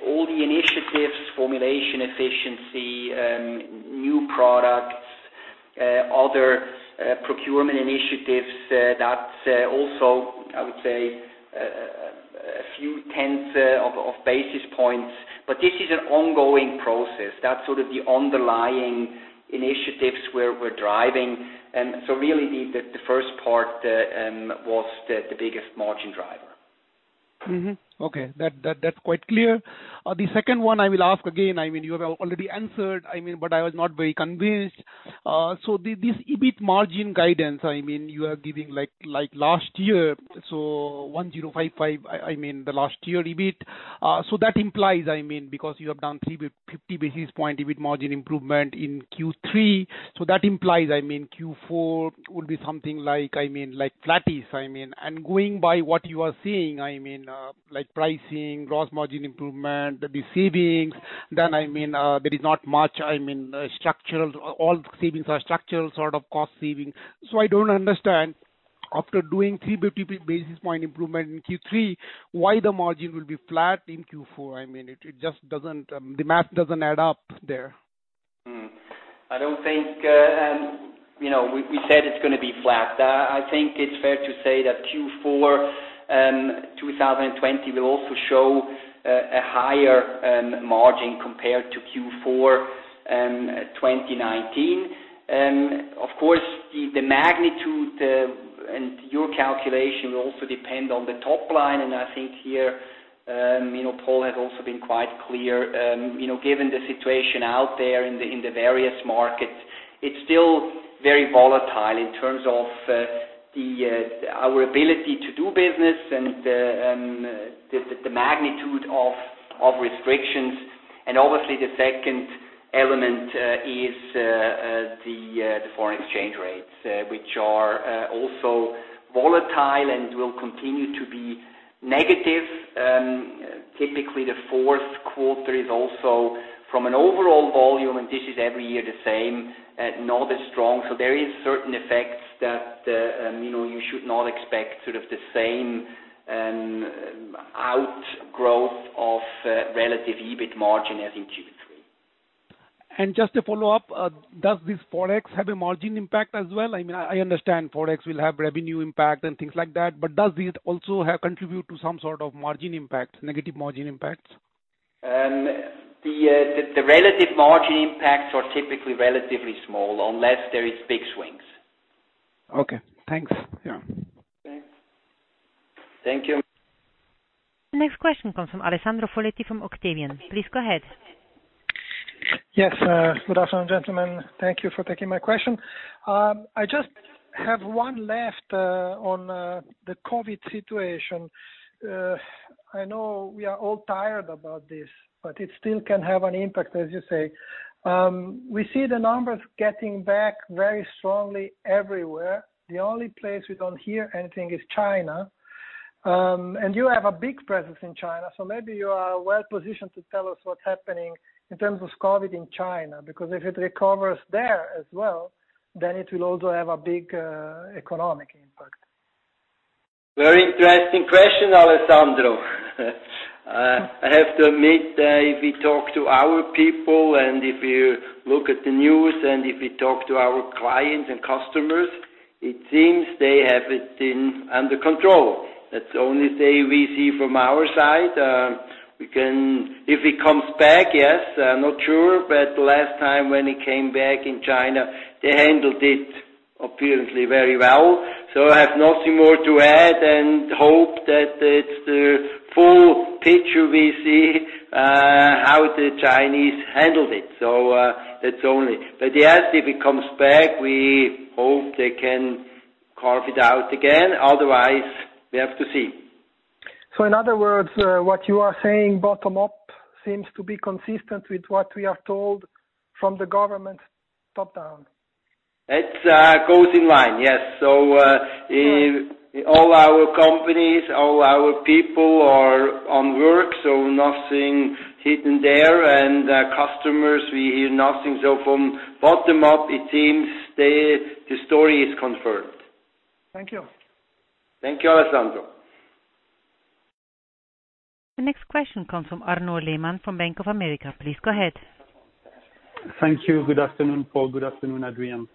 All the initiatives, formulation, efficiency, new products, other procurement initiatives, that's also, I would say, a few tenths of basis points. This is an ongoing process. That's sort of the underlying initiatives where we're driving. Really the first part was the biggest margin driver. Okay. That's quite clear. The second one I will ask again. You have already answered, but I was not very convinced. This EBIT margin guidance, you are giving like last year, so 1,055, I mean the last year EBIT. That implies, because you have done 350 basis point EBIT margin improvement in Q3, that implies Q4 will be something like flattish. Going by what you are seeing, like pricing, gross margin improvement, the savings, then there is not much structural, all savings are structural sort of cost saving. I don't understand after doing 350 basis point improvement in Q3, why the margin will be flat in Q4. The math doesn't add up there. We said it's going to be flat. I think it's fair to say that Q4 2020 will also show a higher margin compared to Q4 2019. Of course, the magnitude and your calculation will also depend on the top line, and I think here Paul has also been quite clear. Given the situation out there in the various markets, it's still very volatile in terms of our ability to do business and the magnitude of restrictions. Obviously the second element is the foreign exchange rates, which are also volatile and will continue to be negative. Typically, the fourth quarter is also from an overall volume, and this is every year the same, not as strong. There is certain effects that you should not expect sort of the same outgrowth of relative EBIT margin as in Q3. Just a follow-up, does this Forex have a margin impact as well? I understand Forex will have revenue impact and things like that, but does it also contribute to some sort of margin impact, negative margin impacts? The relative margin impacts are typically relatively small, unless there is big swings. Okay. Thanks. Yeah. Thanks. Thank you. The next question comes from Alessandro Foletti from Octavian. Please go ahead. Yes. Good afternoon, gentlemen. Thank you for taking my question. I just have one left on the COVID situation. I know we are all tired about this, but it still can have an impact, as you say. We see the numbers getting back very strongly everywhere. The only place we don't hear anything is China. You have a big presence in China, so maybe you are well-positioned to tell us what's happening in terms of COVID in China, because if it recovers there as well, then it will also have a big economic impact. Very interesting question, Alessandro. I have to admit, if we talk to our people and if you look at the news and if we talk to our clients and customers, it seems they have it under control. That's the only thing we see from our side. If it comes back, yes. Not sure, last time when it came back in China, they handled it apparently very well. I have nothing more to add and hope that it's the full picture we see, how the Chinese handled it. That's only. Yes, if it comes back, we hope they can carve it out again. Otherwise, we have to see. In other words, what you are saying bottom-up seems to be consistent with what we are told from the government top-down. It goes in line, yes. All our companies, all our people are on work, so nothing hidden there. Customers, we hear nothing. From bottom up, it seems the story is confirmed. Thank you. Thank you, Alessandro. The next question comes from Arnaud Lehmann from Bank of America. Please go ahead. Thank you. Good afternoon, Paul. Good afternoon, Adrian.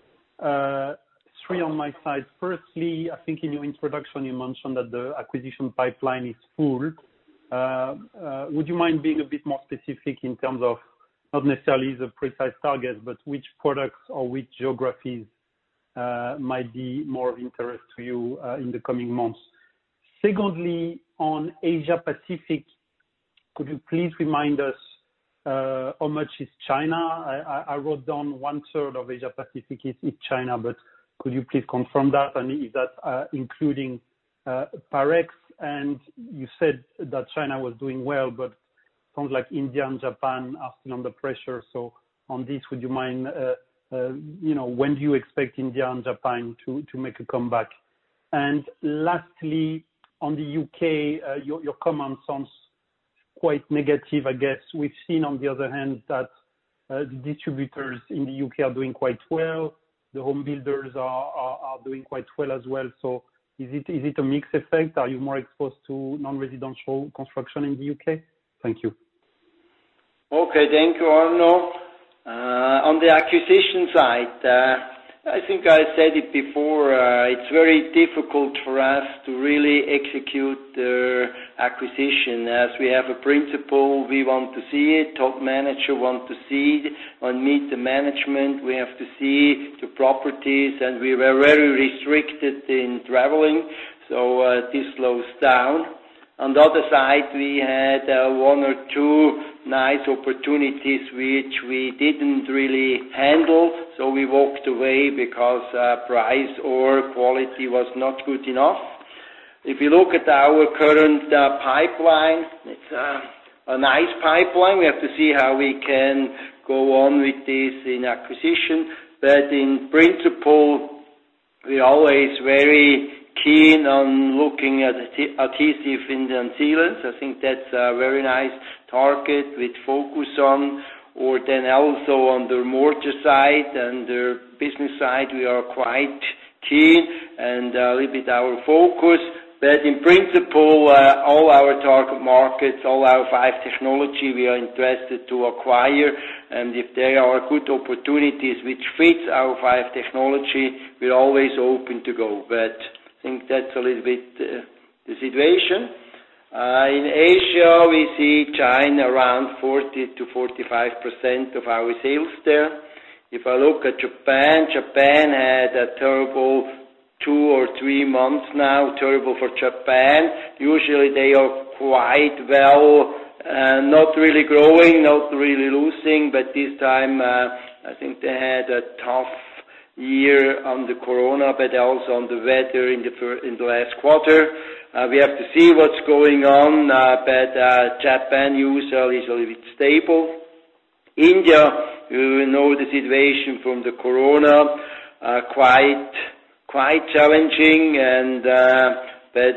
Three on my side. Firstly, I think in your introduction, you mentioned that the acquisition pipeline is full. Would you mind being a bit more specific in terms of not necessarily the precise target, but which products or which geographies might be more of interest to you in the coming months? Secondly, on Asia Pacific, could you please remind us how much is China? I wrote down one third of Asia Pacific is China, but could you please confirm that, and is that including Parex? You said that China was doing well, but sounds like India and Japan are under pressure. On this, would you mind, when do you expect India and Japan to make a comeback? Lastly, on the U.K., your comment sounds quite negative, I guess. We've seen, on the other hand, that the distributors in the U.K. are doing quite well. The home builders are doing quite well as well. Is it a mixed effect? Are you more exposed to non-residential construction in the U.K.? Thank you. Okay. Thank you, Arnaud. On the acquisition side, I think I said it before, it's very difficult for us to really execute the acquisition. We have a principle, we want to see it, top managers want to see it, and meet the management. We have to see the properties. We were very restricted in traveling. This slows down. On the other side, we had one or two nice opportunities which we didn't really handle, so we walked away because price or quality was not good enough. If you look at our current pipeline, it's a nice pipeline. We have to see how we can go on with this in acquisition. In principle, we're always very keen on looking at adhesives and sealants. I think that's a very nice target with focus on, or also on the mortar side and the business side, we are quite keen and a little bit our focus. In principle, all our target markets, all our five technology, we are interested to acquire. If there are good opportunities which fits our five technology, we're always open to go. I think that's a little bit the situation. In Asia, we see China around 40%-45% of our sales there. If I look at Japan had a terrible two or three months now, terrible for Japan. Usually they are quite well, not really growing, not really losing, but this time, I think they had a tough year on the COVID-19, but also on the weather in the last quarter. We have to see what's going on, Japan usually is a little bit stable. India, we know the situation from the corona, quite challenging.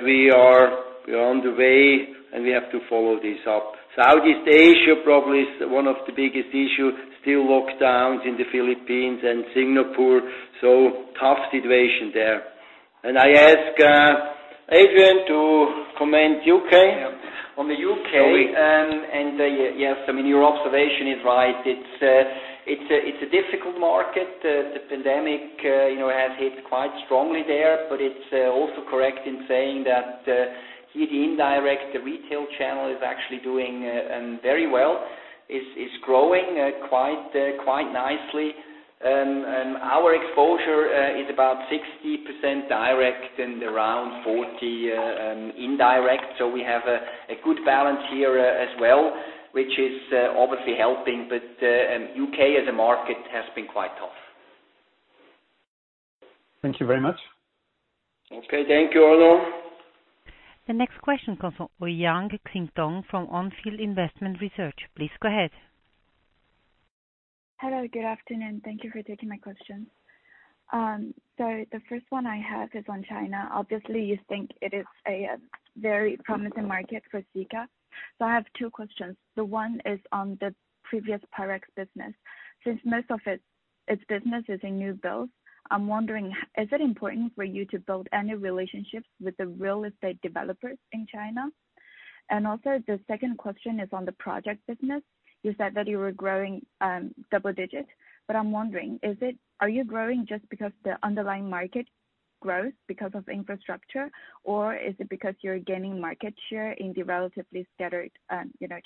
We are on the way. We have to follow this up. Southeast Asia probably is one of the biggest issue, still lockdowns in the Philippines and Singapore. Tough situation there. I ask Adrian to comment U.K. On the U.K., yes, I mean, your observation is right. It's a difficult market. The pandemic has hit quite strongly there, but it's also correct in saying that here the indirect, the retail channel is actually doing very well. It's growing quite nicely. Our exposure is about 60% direct and around 40% indirect. We have a good balance here as well, which is obviously helping. U.K. as a market has been quite tough. Thank you very much. Okay. Thank you, Arnaud. The next question comes from Ouyang Xintong from On Field Investment Research. Please go ahead. Hello, good afternoon. Thank you for taking my question. The first one I have is on China. Obviously, you think it is a very promising market for Sika. I have two questions. The one is on the previous Parex business. Since most of its business is in new builds, I am wondering, is it important for you to build any relationships with the real estate developers in China? Also, the second question is on the project business. You said that you were growing double digit, but I am wondering, are you growing just because the underlying market growth because of infrastructure, or is it because you are gaining market share in the relatively scattered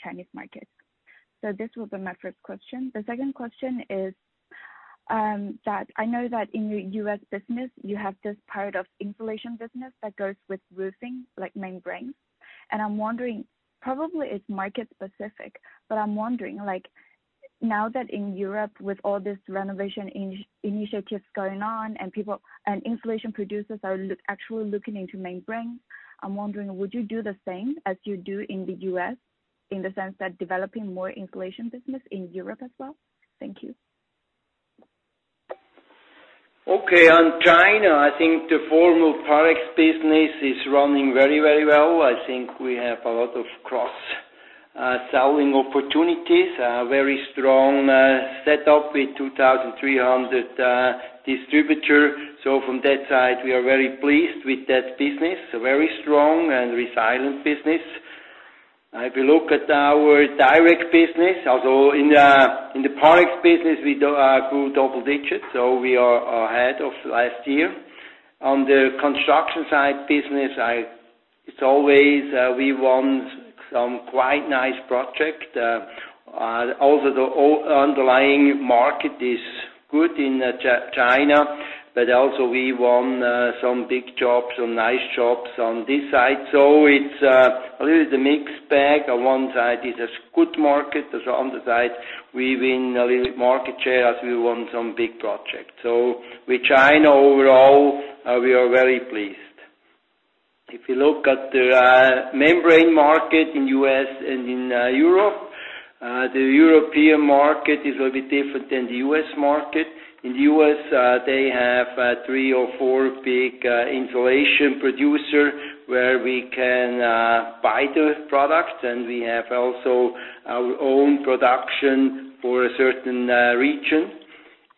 Chinese market? This was my first question. The second question is that I know that in your U.S. business, you have this part of insulation business that goes with roofing, like membranes. I'm wondering, probably it's market specific, but I'm wondering, now that in Europe with all this renovation initiatives going on and insulation producers are actually looking into membranes, I'm wondering, would you do the same as you do in the U.S., in the sense that developing more insulation business in Europe as well? Thank you. On China, I think the former Parex business is running very well. I think we have a lot of cross-selling opportunities, a very strong setup with 2,300 distributor. From that side, we are very pleased with that business. A very strong and resilient business. If you look at our direct business, although in the Parex business, we grew double-digits, so we are ahead of last year. On the construction side business, it's always we won some quite nice project. The underlying market is good in China, but also we won some big jobs, some nice jobs on this side. It's a little bit mixed bag. On one side is a good market, so on the side we win a little market share as we won some big projects. With China overall, we are very pleased. If you look at the membrane market in the U.S. and in Europe, the European market is a little bit different than the U.S. market. In the U.S., they have three or four big insulation producer where we can buy the product, we have also our own production for a certain region.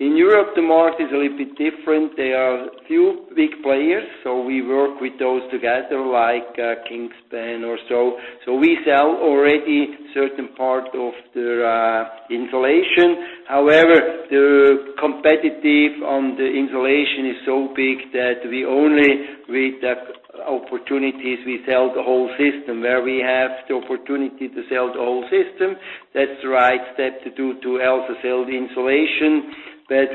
In Europe, the market is a little bit different. There are few big players, we work with those together, like Kingspan or so. We sell already certain part of their insulation. However, the competition on the insulation is so big that we only, with the opportunities, we sell the whole system. Where we have the opportunity to sell the whole system, that's the right step to do to also sell the insulation,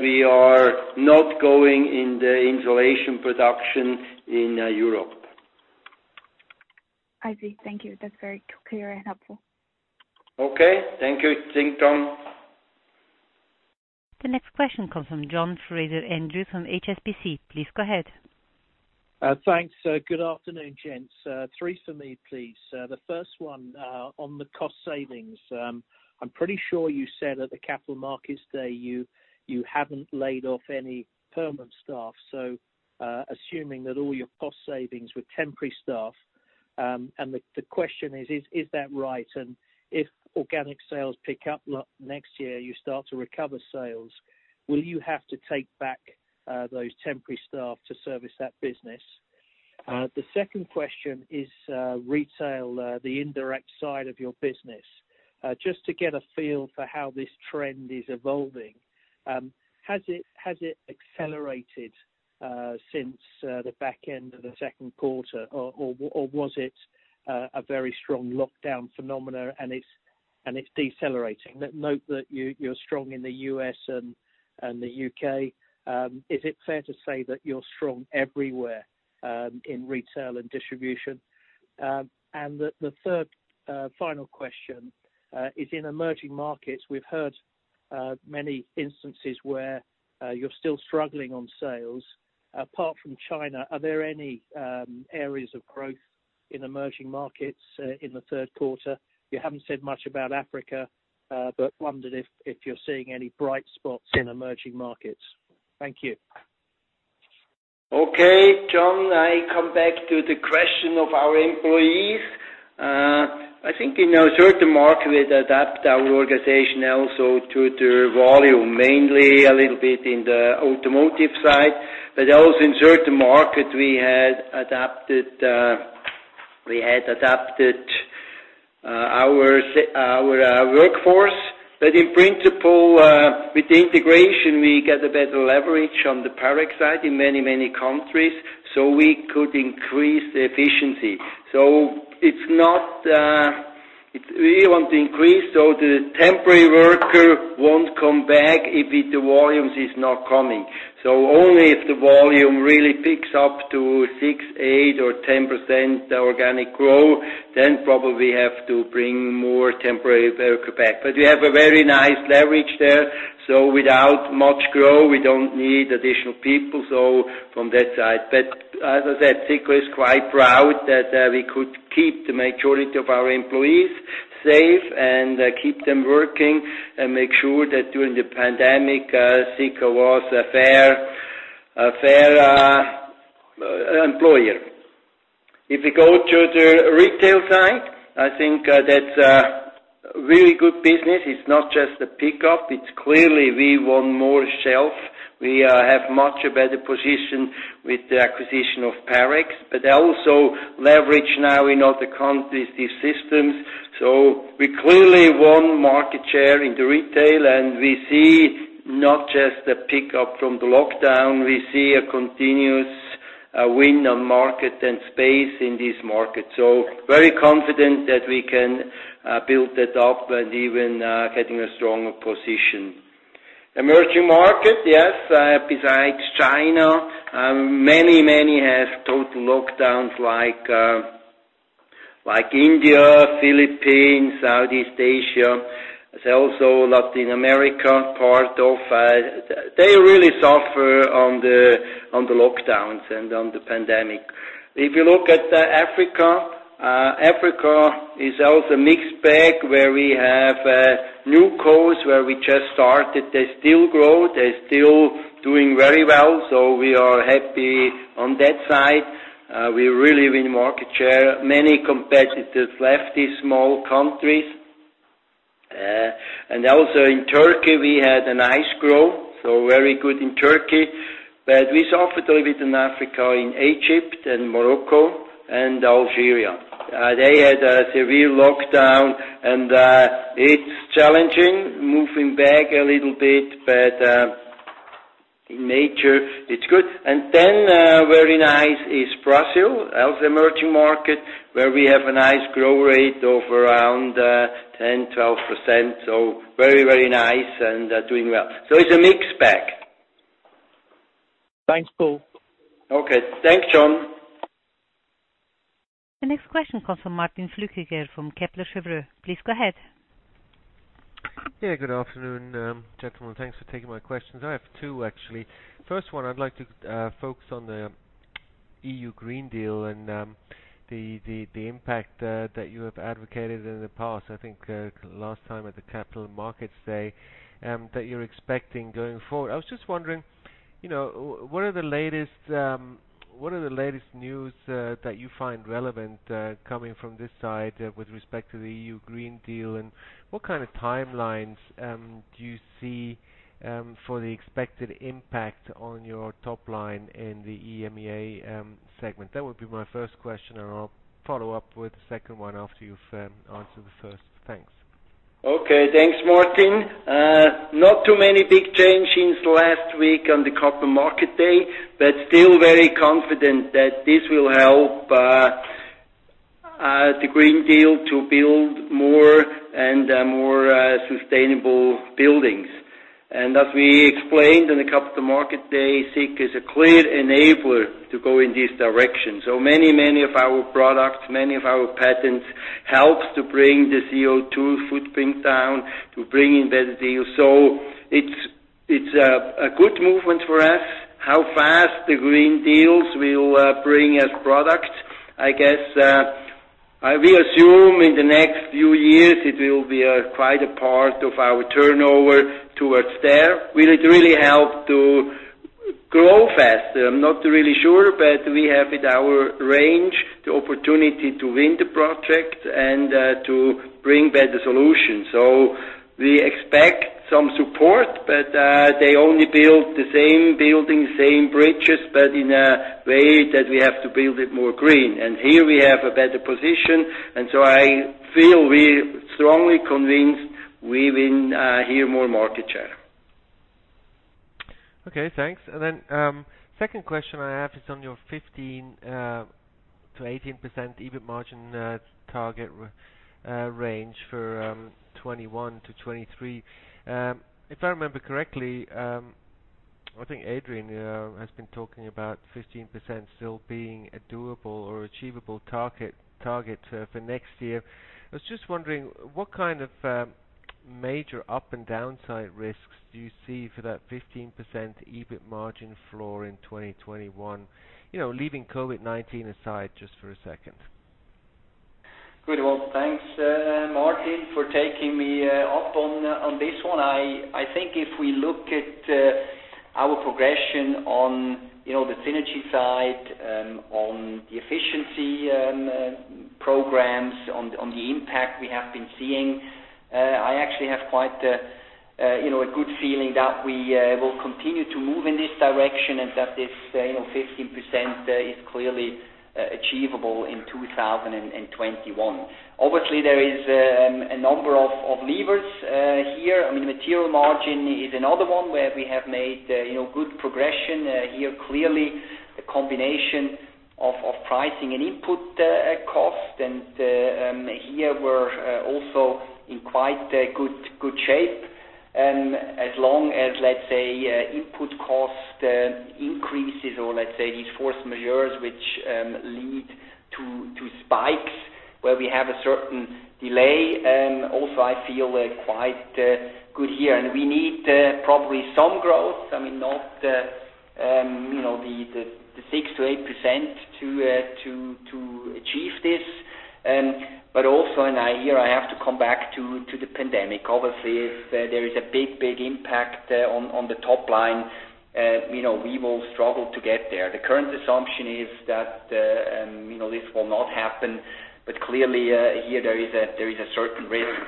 we are not going in the insulation production in Europe. I see. Thank you. That's very clear and helpful. Okay. Thank you, Xintong. The next question comes from John Fraser-Andrews from HSBC. Please go ahead. Thanks. Good afternoon, gents. Three for me, please. The first one, on the cost savings. I'm pretty sure you said at the Capital Markets Day, you haven't laid off any permanent staff, assuming that all your cost savings were temporary staff, the question is: Is that right? If organic sales pick up next year, you start to recover sales, will you have to take back those temporary staff to service that business? The second question is, retail, the indirect side of your business. Just to get a feel for how this trend is evolving. Has it accelerated since the back end of the second quarter, or was it a very strong lockdown phenomenon and it's decelerating? Note that you're strong in the U.S. and the U.K. Is it fair to say that you're strong everywhere, in retail and distribution? The third, final question is in emerging markets. We've heard many instances where you're still struggling on sales. Apart from China, are there any areas of growth in emerging markets, in the third quarter? You haven't said much about Africa, but wondered if you're seeing any bright spots in emerging markets. Thank you. Okay. John, I come back to the question of our employees. I think in a certain market, we adapt our organization also to the volume. Mainly a little bit in the automotive side, also in certain market, we had adapted our workforce. In principle, with the integration, we get a better leverage on the Parex side in many countries, we could increase the efficiency. We want to increase so the temporary worker won't come back if the volumes is not coming. Only if the volume really picks up to 6%, 8%, or 10% organic growth, probably we have to bring more temporary worker back. We have a very nice leverage there. Without much growth, we don't need additional people. From that side. As I said, Sika is quite proud that we could keep the majority of our employees safe and keep them working and make sure that during the pandemic, Sika was a fair employer. If you go to the retail side, I think that's a really good business. It's not just a pickup. It's clearly we want more shelf. We have much better position with the acquisition of Parex, but also leverage now in other countries, these systems. We clearly won market share in the retail, and we see not just a pickup from the lockdown, we see a continuous win the market and space in this market. Very confident that we can build that up and even getting a stronger position. Emerging market, yes, besides China, many have total lockdowns like India, Philippines, Southeast Asia. There's also Latin America, part of. They really suffer on the lockdowns and on the pandemic. If you look at Africa is also a mixed bag, where we have newcos, where we just started. They still grow, they're still doing very well. We are happy on that side. We really win market share. Many competitors left these small countries. Also in Turkey, we had a nice growth. Very good in Turkey. We suffered a little bit in Africa, in Egypt and Morocco and Algeria. They had a severe lockdown. It's challenging, moving back a little bit. In nature it's good. Very nice is Brazil, as emerging market, where we have a nice growth rate of around 10%-12%. Very nice and doing well. It's a mixed bag. Thanks, Paul. Okay. Thanks, John. The next question comes from Martin Flueckiger from Kepler Cheuvreux. Please go ahead. Good afternoon, gentlemen. Thanks for taking my questions. I have two, actually. First one, I'd like to focus on the European Green Deal and the impact that you have advocated in the past, I think, last time at the Capital Markets Day, that you're expecting going forward. I was just wondering, what are the latest news that you find relevant coming from this side with respect to the European Green Deal, and what kind of timelines do you see for the expected impact on your top line in the EMEA segment? That would be my first question. I'll follow up with the second one after you've answered the first. Thanks. Okay. Thanks, Martin. Not too many big changes last week on the Capital Market Day, still very confident that this will help the Green Deal to build more and more sustainable buildings. As we explained on the Capital Market Day, Sika is a clear enabler to go in this direction. Many of our products, many of our patents, helps to bring the CO2 footprint down, to bring in better deals. It's a good movement for us. How fast the Green Deals will bring us product, I guess, we assume in the next few years it will be quite a part of our turnover towards there. Will it really help to grow faster? I'm not really sure, but we have, with our range, the opportunity to win the project and to bring better solutions. We expect some support, but they only build the same buildings, same bridges, but in a way that we have to build it more green. Here we have a better position, I feel we're strongly convinced we win here more market share. Okay, thanks. Second question I have is on your 15%-18% EBIT margin target range for 2021-2023. If I remember correctly, I think Adrian has been talking about 15% still being a doable or achievable target for next year. I was just wondering what kind of major up and downside risks do you see for that 15% EBIT margin floor in 2021, leaving COVID-19 aside just for a second? Good. Well, thanks, Martin, for taking me up on this one. I think if we look at our progression on the synergy side, on the efficiency programs, on the impact we have been seeing, I actually have quite a good feeling that we will continue to move in this direction and that this 15% is clearly achievable in 2021. Obviously, there is a number of levers here. Material margin is another one where we have made good progression. Here, clearly, a combination of pricing and input cost, and here we're also in quite good shape. As long as, let's say, input cost increases or, let's say, these force majeures which lead to spikes where we have a certain delay, also I feel quite good here. We need probably some growth. Not the 6%-8% to achieve this. Also, here I have to come back to the pandemic. Obviously, if there is a big impact on the top line, we will struggle to get there. The current assumption is that this will not happen, but clearly, here there is a certain risk.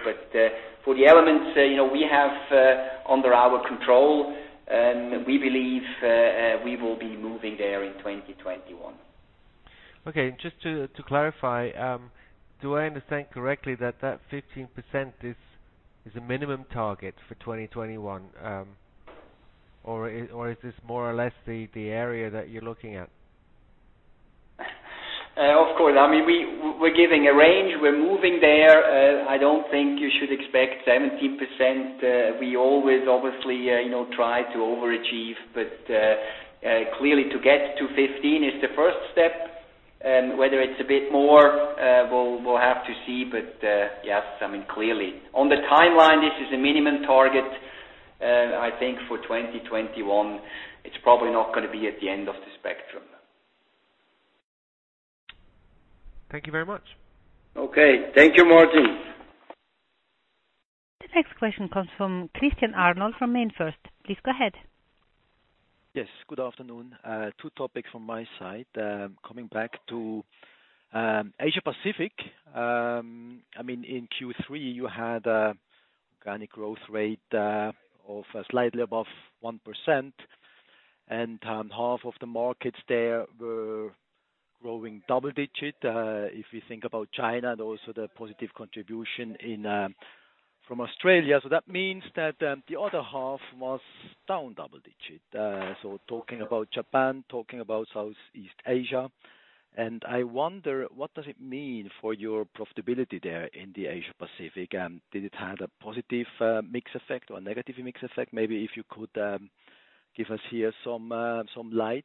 For the elements we have under our control, we believe we will be moving there in 2021. Okay. Just to clarify, do I understand correctly that that 15% is a minimum target for 2021? Is this more or less the area that you're looking at? Of course. We're giving a range. We're moving there. I don't think you should expect 17%. We always obviously try to overachieve, Clearly to get to 15 is the first step. Whether it's a bit more, we'll have to see. Yes, clearly. On the timeline, this is a minimum target, I think for 2021. It's probably not going to be at the end of the spectrum. Thank you very much. Okay. Thank you, Martin. The next question comes from Christian Arnold from MainFirst. Please go ahead. Yes, good afternoon. Two topics from my side. Coming back to Asia Pacific, in Q3 you had organic growth rate of slightly above 1%, and half of the markets there were growing double digit. If you think about China and also the positive contribution from Australia. That means that the other half was down double digit. Talking about Japan, talking about Southeast Asia, and I wonder what does it mean for your profitability there in the Asia Pacific? Did it have a positive mix effect or a negative mix effect? Maybe if you could give us here some light.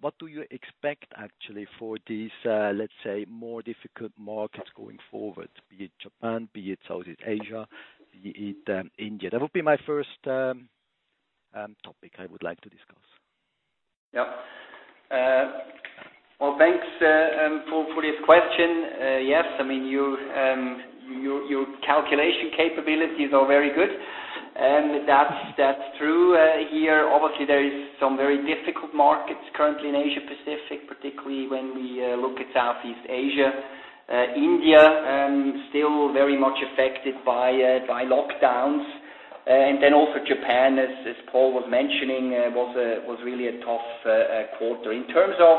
What do you expect actually for these, let's say, more difficult markets going forward, be it Japan, be it Southeast Asia, be it India? That would be my first topic I would like to discuss. Well, thanks, Paul, for this question. Yes, your calculation capabilities are very good. That's true. Here, obviously there is some very difficult markets currently in Asia Pacific, particularly when we look at Southeast Asia. India, still very much affected by lockdowns. Then also Japan, as Paul was mentioning, was really a tough quarter. In terms of,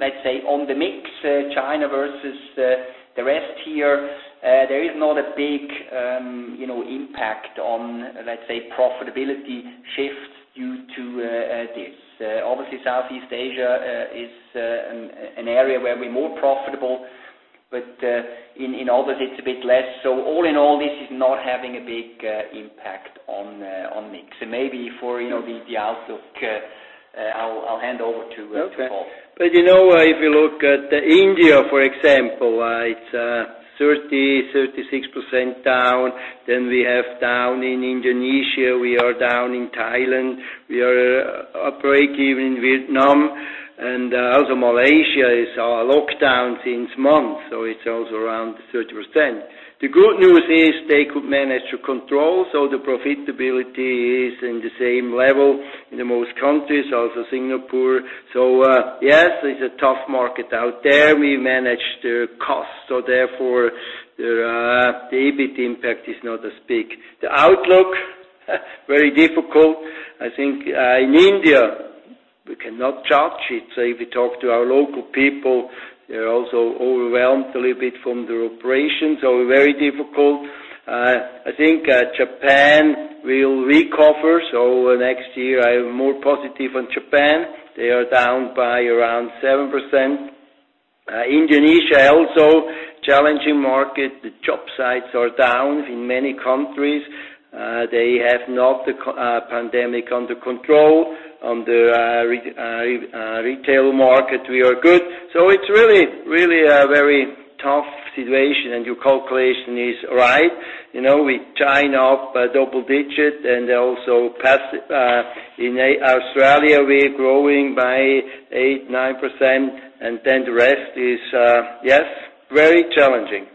let's say on the mix, China versus the rest here, there is not a big impact on, let's say, profitability shift due to this. Obviously, Southeast Asia is an area where we're more profitable, but in others it's a bit less. All in all, this is not having a big impact on mix. Maybe for the outlook, I'll hand over to Paul. If you look at India, for example, it's 30%-36% down. We have down in Indonesia, we are down in Thailand, we are operating in Vietnam, Malaysia is on lockdown since months, it's also around 30%. The good news is they could manage to control, the profitability is in the same level in the most countries, also Singapore. Yes, it's a tough market out there. We manage the cost, therefore the EBIT impact is not as big. The outlook, very difficult. I think in India, we cannot judge it. If you talk to our local people, they're also overwhelmed a little bit from the operations. Very difficult. I think Japan will recover, next year I am more positive on Japan. They are down by around 7%. Indonesia, also challenging market. The job sites are down in many countries. They have not the pandemic under control. On the retail market, we are good. It's really a very tough situation, and your calculation is right. With China up double-digit and also in Australia, we are growing by 8%, 9%, the rest is, yes, very challenging.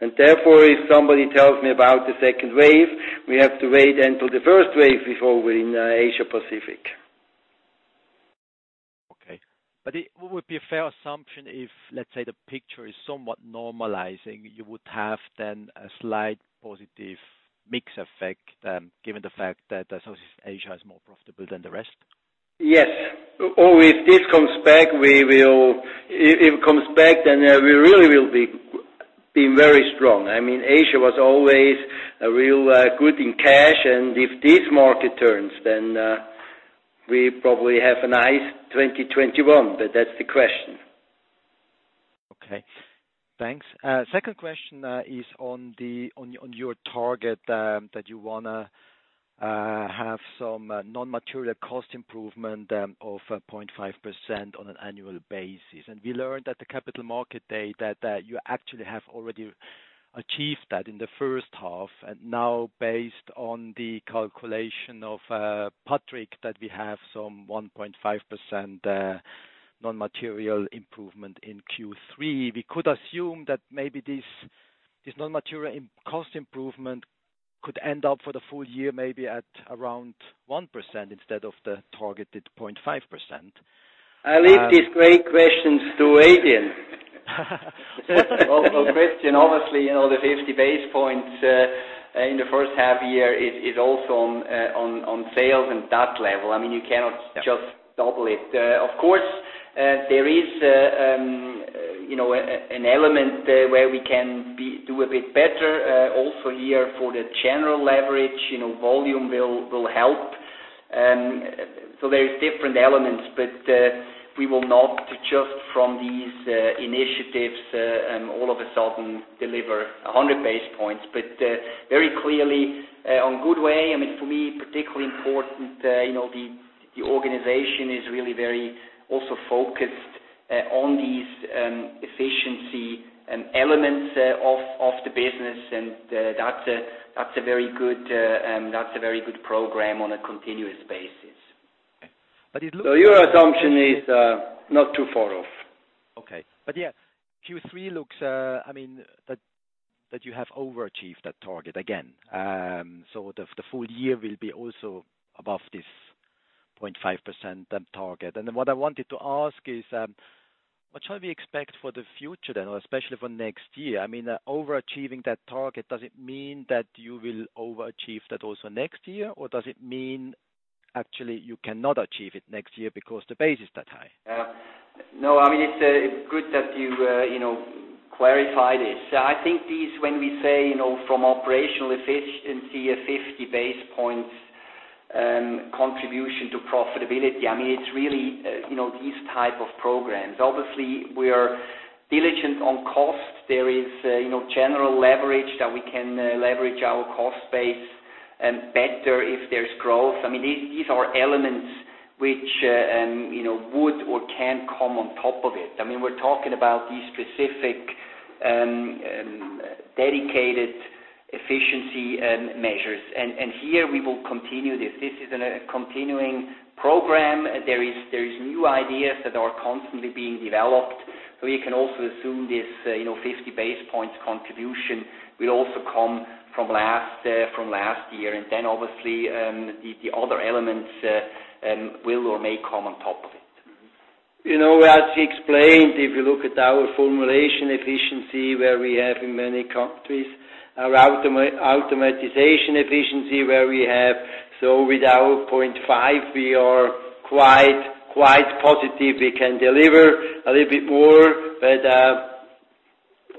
Therefore, if somebody tells me about the second wave, we have to wait until the first wave before we're in Asia Pacific. Okay. What would be a fair assumption if, let's say, the picture is somewhat normalizing, you would have then a slight positive mix effect, given the fact that Southeast Asia is more profitable than the rest? Yes. If this comes back, then we really will be very strong. Asia was always real good in cash, and if this market turns, then we probably have a nice 2021. That's the question. Okay, thanks. Second question is on your target that you want to have some non-material cost improvement of 0.5% on an annual basis. We learned at the Capital Market Day that you actually have already achieved that in the first half. Now based on the calculation of Patrick, that we have some 1.5% non-material improvement in Q3, we could assume that maybe this non-material cost improvement could end up for the full year, maybe at around 1% instead of the targeted 0.5%. I leave these great questions to Adrian. Obviously, the 50 basis points in the first half-year is also on sales and that level. You cannot just double it. Of course, there is an element where we can do a bit better, also here for the general leverage, volume will help. There is different elements, but we will not just from these initiatives all of a sudden deliver 100 basis points, but very clearly, on good way. I mean, for me, particularly important, the organization is really very also focused on these efficiency elements of the business, and that's a very good program on a continuous basis. But it looks- Your assumption is not too far off. Q3 looks, I mean, that you have overachieved that target again. The full year will be also above this 0.5% target. What I wanted to ask is, what shall we expect for the future then, or especially for next year? I mean, overachieving that target, does it mean that you will overachieve that also next year? Does it mean actually you cannot achieve it next year because the base is that high? Yeah. No, I mean, it's good that you clarify this. I think these, when we say, from operational efficiency, a 50 basis points contribution to profitability, it's really these type of programs. Obviously, we are diligent on cost. There is general leverage that we can leverage our cost base better if there's growth. These are elements which would or can come on top of it. We're talking about these specific dedicated efficiency measures. Here we will continue this. This is a continuing program. There is new ideas that are constantly being developed. You can also assume this 50 basis points contribution will also come from last year. Then obviously, the other elements will or may come on top of it. As he explained, if you look at our formulation efficiency, where we have in many countries, our automatization efficiency, where we have, with our 0.5, we are quite positive we can deliver a little bit more,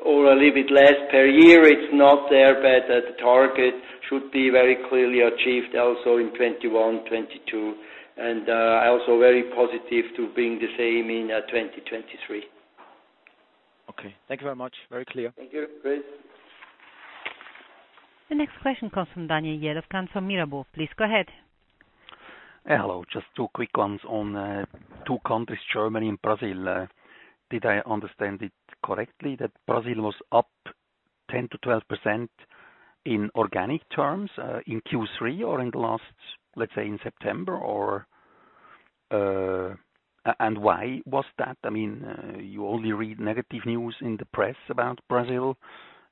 or a little bit less per year. It's not there, the target should be very clearly achieved also in 2021, 2022. Also very positive to bring the same in 2023. Okay. Thank you very much. Very clear. Thank you, Chris. The next question comes from Daniel Jelovcan from Mirabaud. Please go ahead. Hello. Just two quick ones on two countries, Germany and Brazil. Did I understand it correctly that Brazil was up 10%-12% in organic terms, in Q3 or in the last, let's say, in September, or why was that? I mean, you only read negative news in the press about Brazil.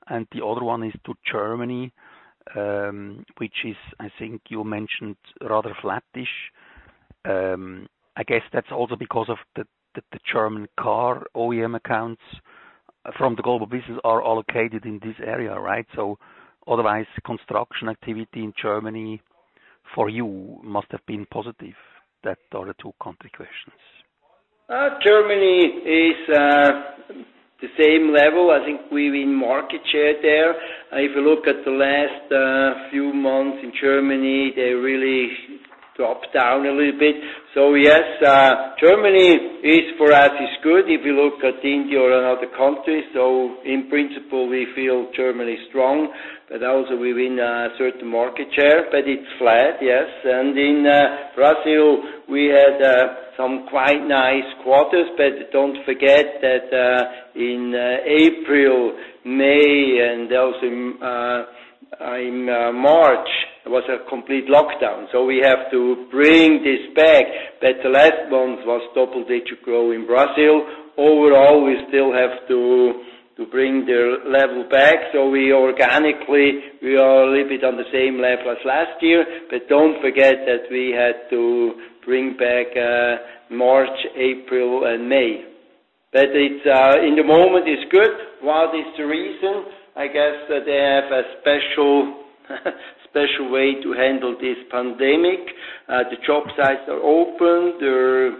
The other one is to Germany, which is, I think you mentioned rather flattish. I guess that's also because of the German car OEM accounts from the global business are allocated in this area, right? Otherwise, construction activity in Germany for you must have been positive. That are the two country questions. Germany is the same level. I think we win market share there. If you look at the last few months in Germany, they really dropped down a little bit. Yes, Germany is for us, is good. If you look at India or another country, so in principle, we feel Germany is strong, but also we win a certain market share, but it's flat, yes. In Brazil, we had some quite nice quarters, but don't forget that in April, May, and also in March, was a complete lockdown. We have to bring this back. The last month was double-digit growth in Brazil. Overall, we still have to bring their level back. We organically, we are a little bit on the same level as last year, but don't forget that we had to bring back March, April, and May. It's, in the moment it's good. What is the reason? I guess that they have a special way to handle this pandemic. The job sites are open. The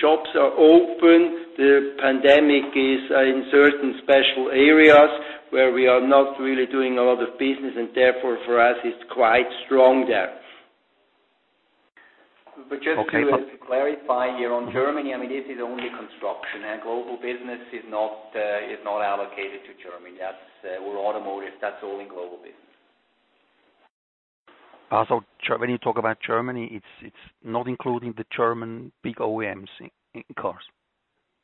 shops are open. The pandemic is in certain special areas where we are not really doing a lot of business, and therefore for us, it's quite strong there. Okay. Just to clarify here on Germany, I mean, this is only construction. Global business is not allocated to Germany. That's, or automotive, that's all in global business. When you talk about Germany, it's not including the German big OEMs in cars?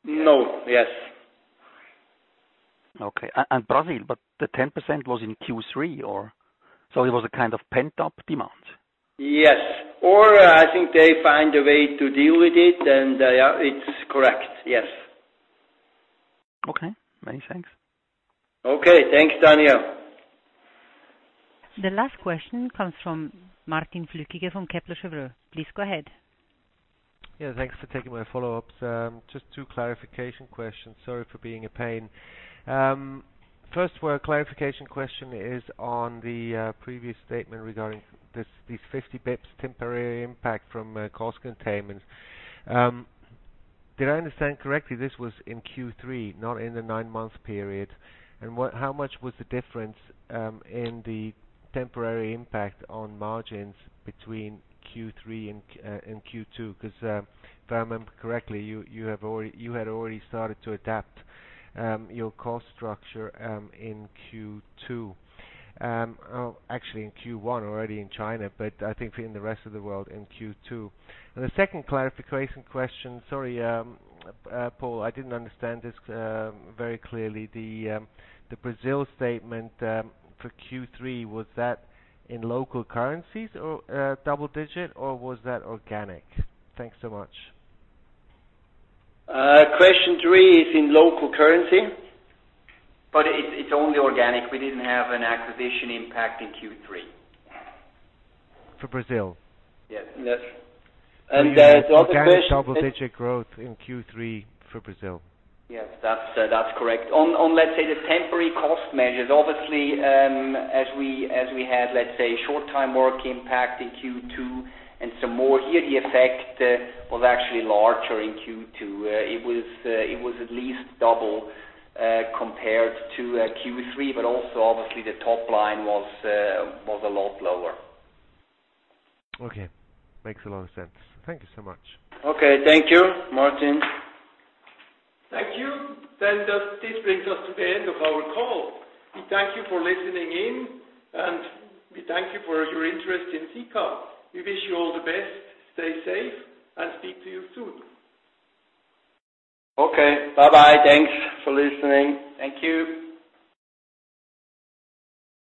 No. Yes. Okay. Brazil, but the 10% was in Q3 or? It was a kind of pent-up demand? Yes. I think they find a way to deal with it, and yeah, it's correct. Yes. Okay. Many thanks. Okay. Thanks, Daniel. The last question comes from Martin Flueckiger from Kepler Cheuvreux. Please go ahead. Yeah. Thanks for taking my follow-ups. Just two clarification questions. Sorry for being a pain. First clarification question is on the previous statement regarding these 50 basis points temporary impact from cost containments. Did I understand correctly, this was in Q3, not in the nine-month period? How much was the difference in the temporary impact on margins between Q3 and Q2? Because if I remember correctly, you had already started to adapt your cost structure in Q2. Actually in Q1 already in China, but I think in the rest of the world in Q2. The second clarification question, sorry Paul, I didn't understand this very clearly. The Brazil statement for Q3, was that in local currencies or double digit, or was that organic? Thanks so much. Question three is in local currency. It's only organic. We didn't have an acquisition impact in Q3. For Brazil? Yes. Yes. Organic double-digit growth in Q3 for Brazil. Yes. That's correct. On, let's say the temporary cost measures. Obviously, as we had, let's say short time work impact in Q2 and some more here, the effect was actually larger in Q2. It was at least double compared to Q3, but also obviously the top line was a lot lower. Okay. Makes a lot of sense. Thank you so much. Okay. Thank you, Martin. Thank you. This brings us to the end of our call. We thank you for listening in, and we thank you for your interest in Sika. We wish you all the best. Stay safe and speak to you soon. Okay. Bye bye. Thanks for listening. Thank you.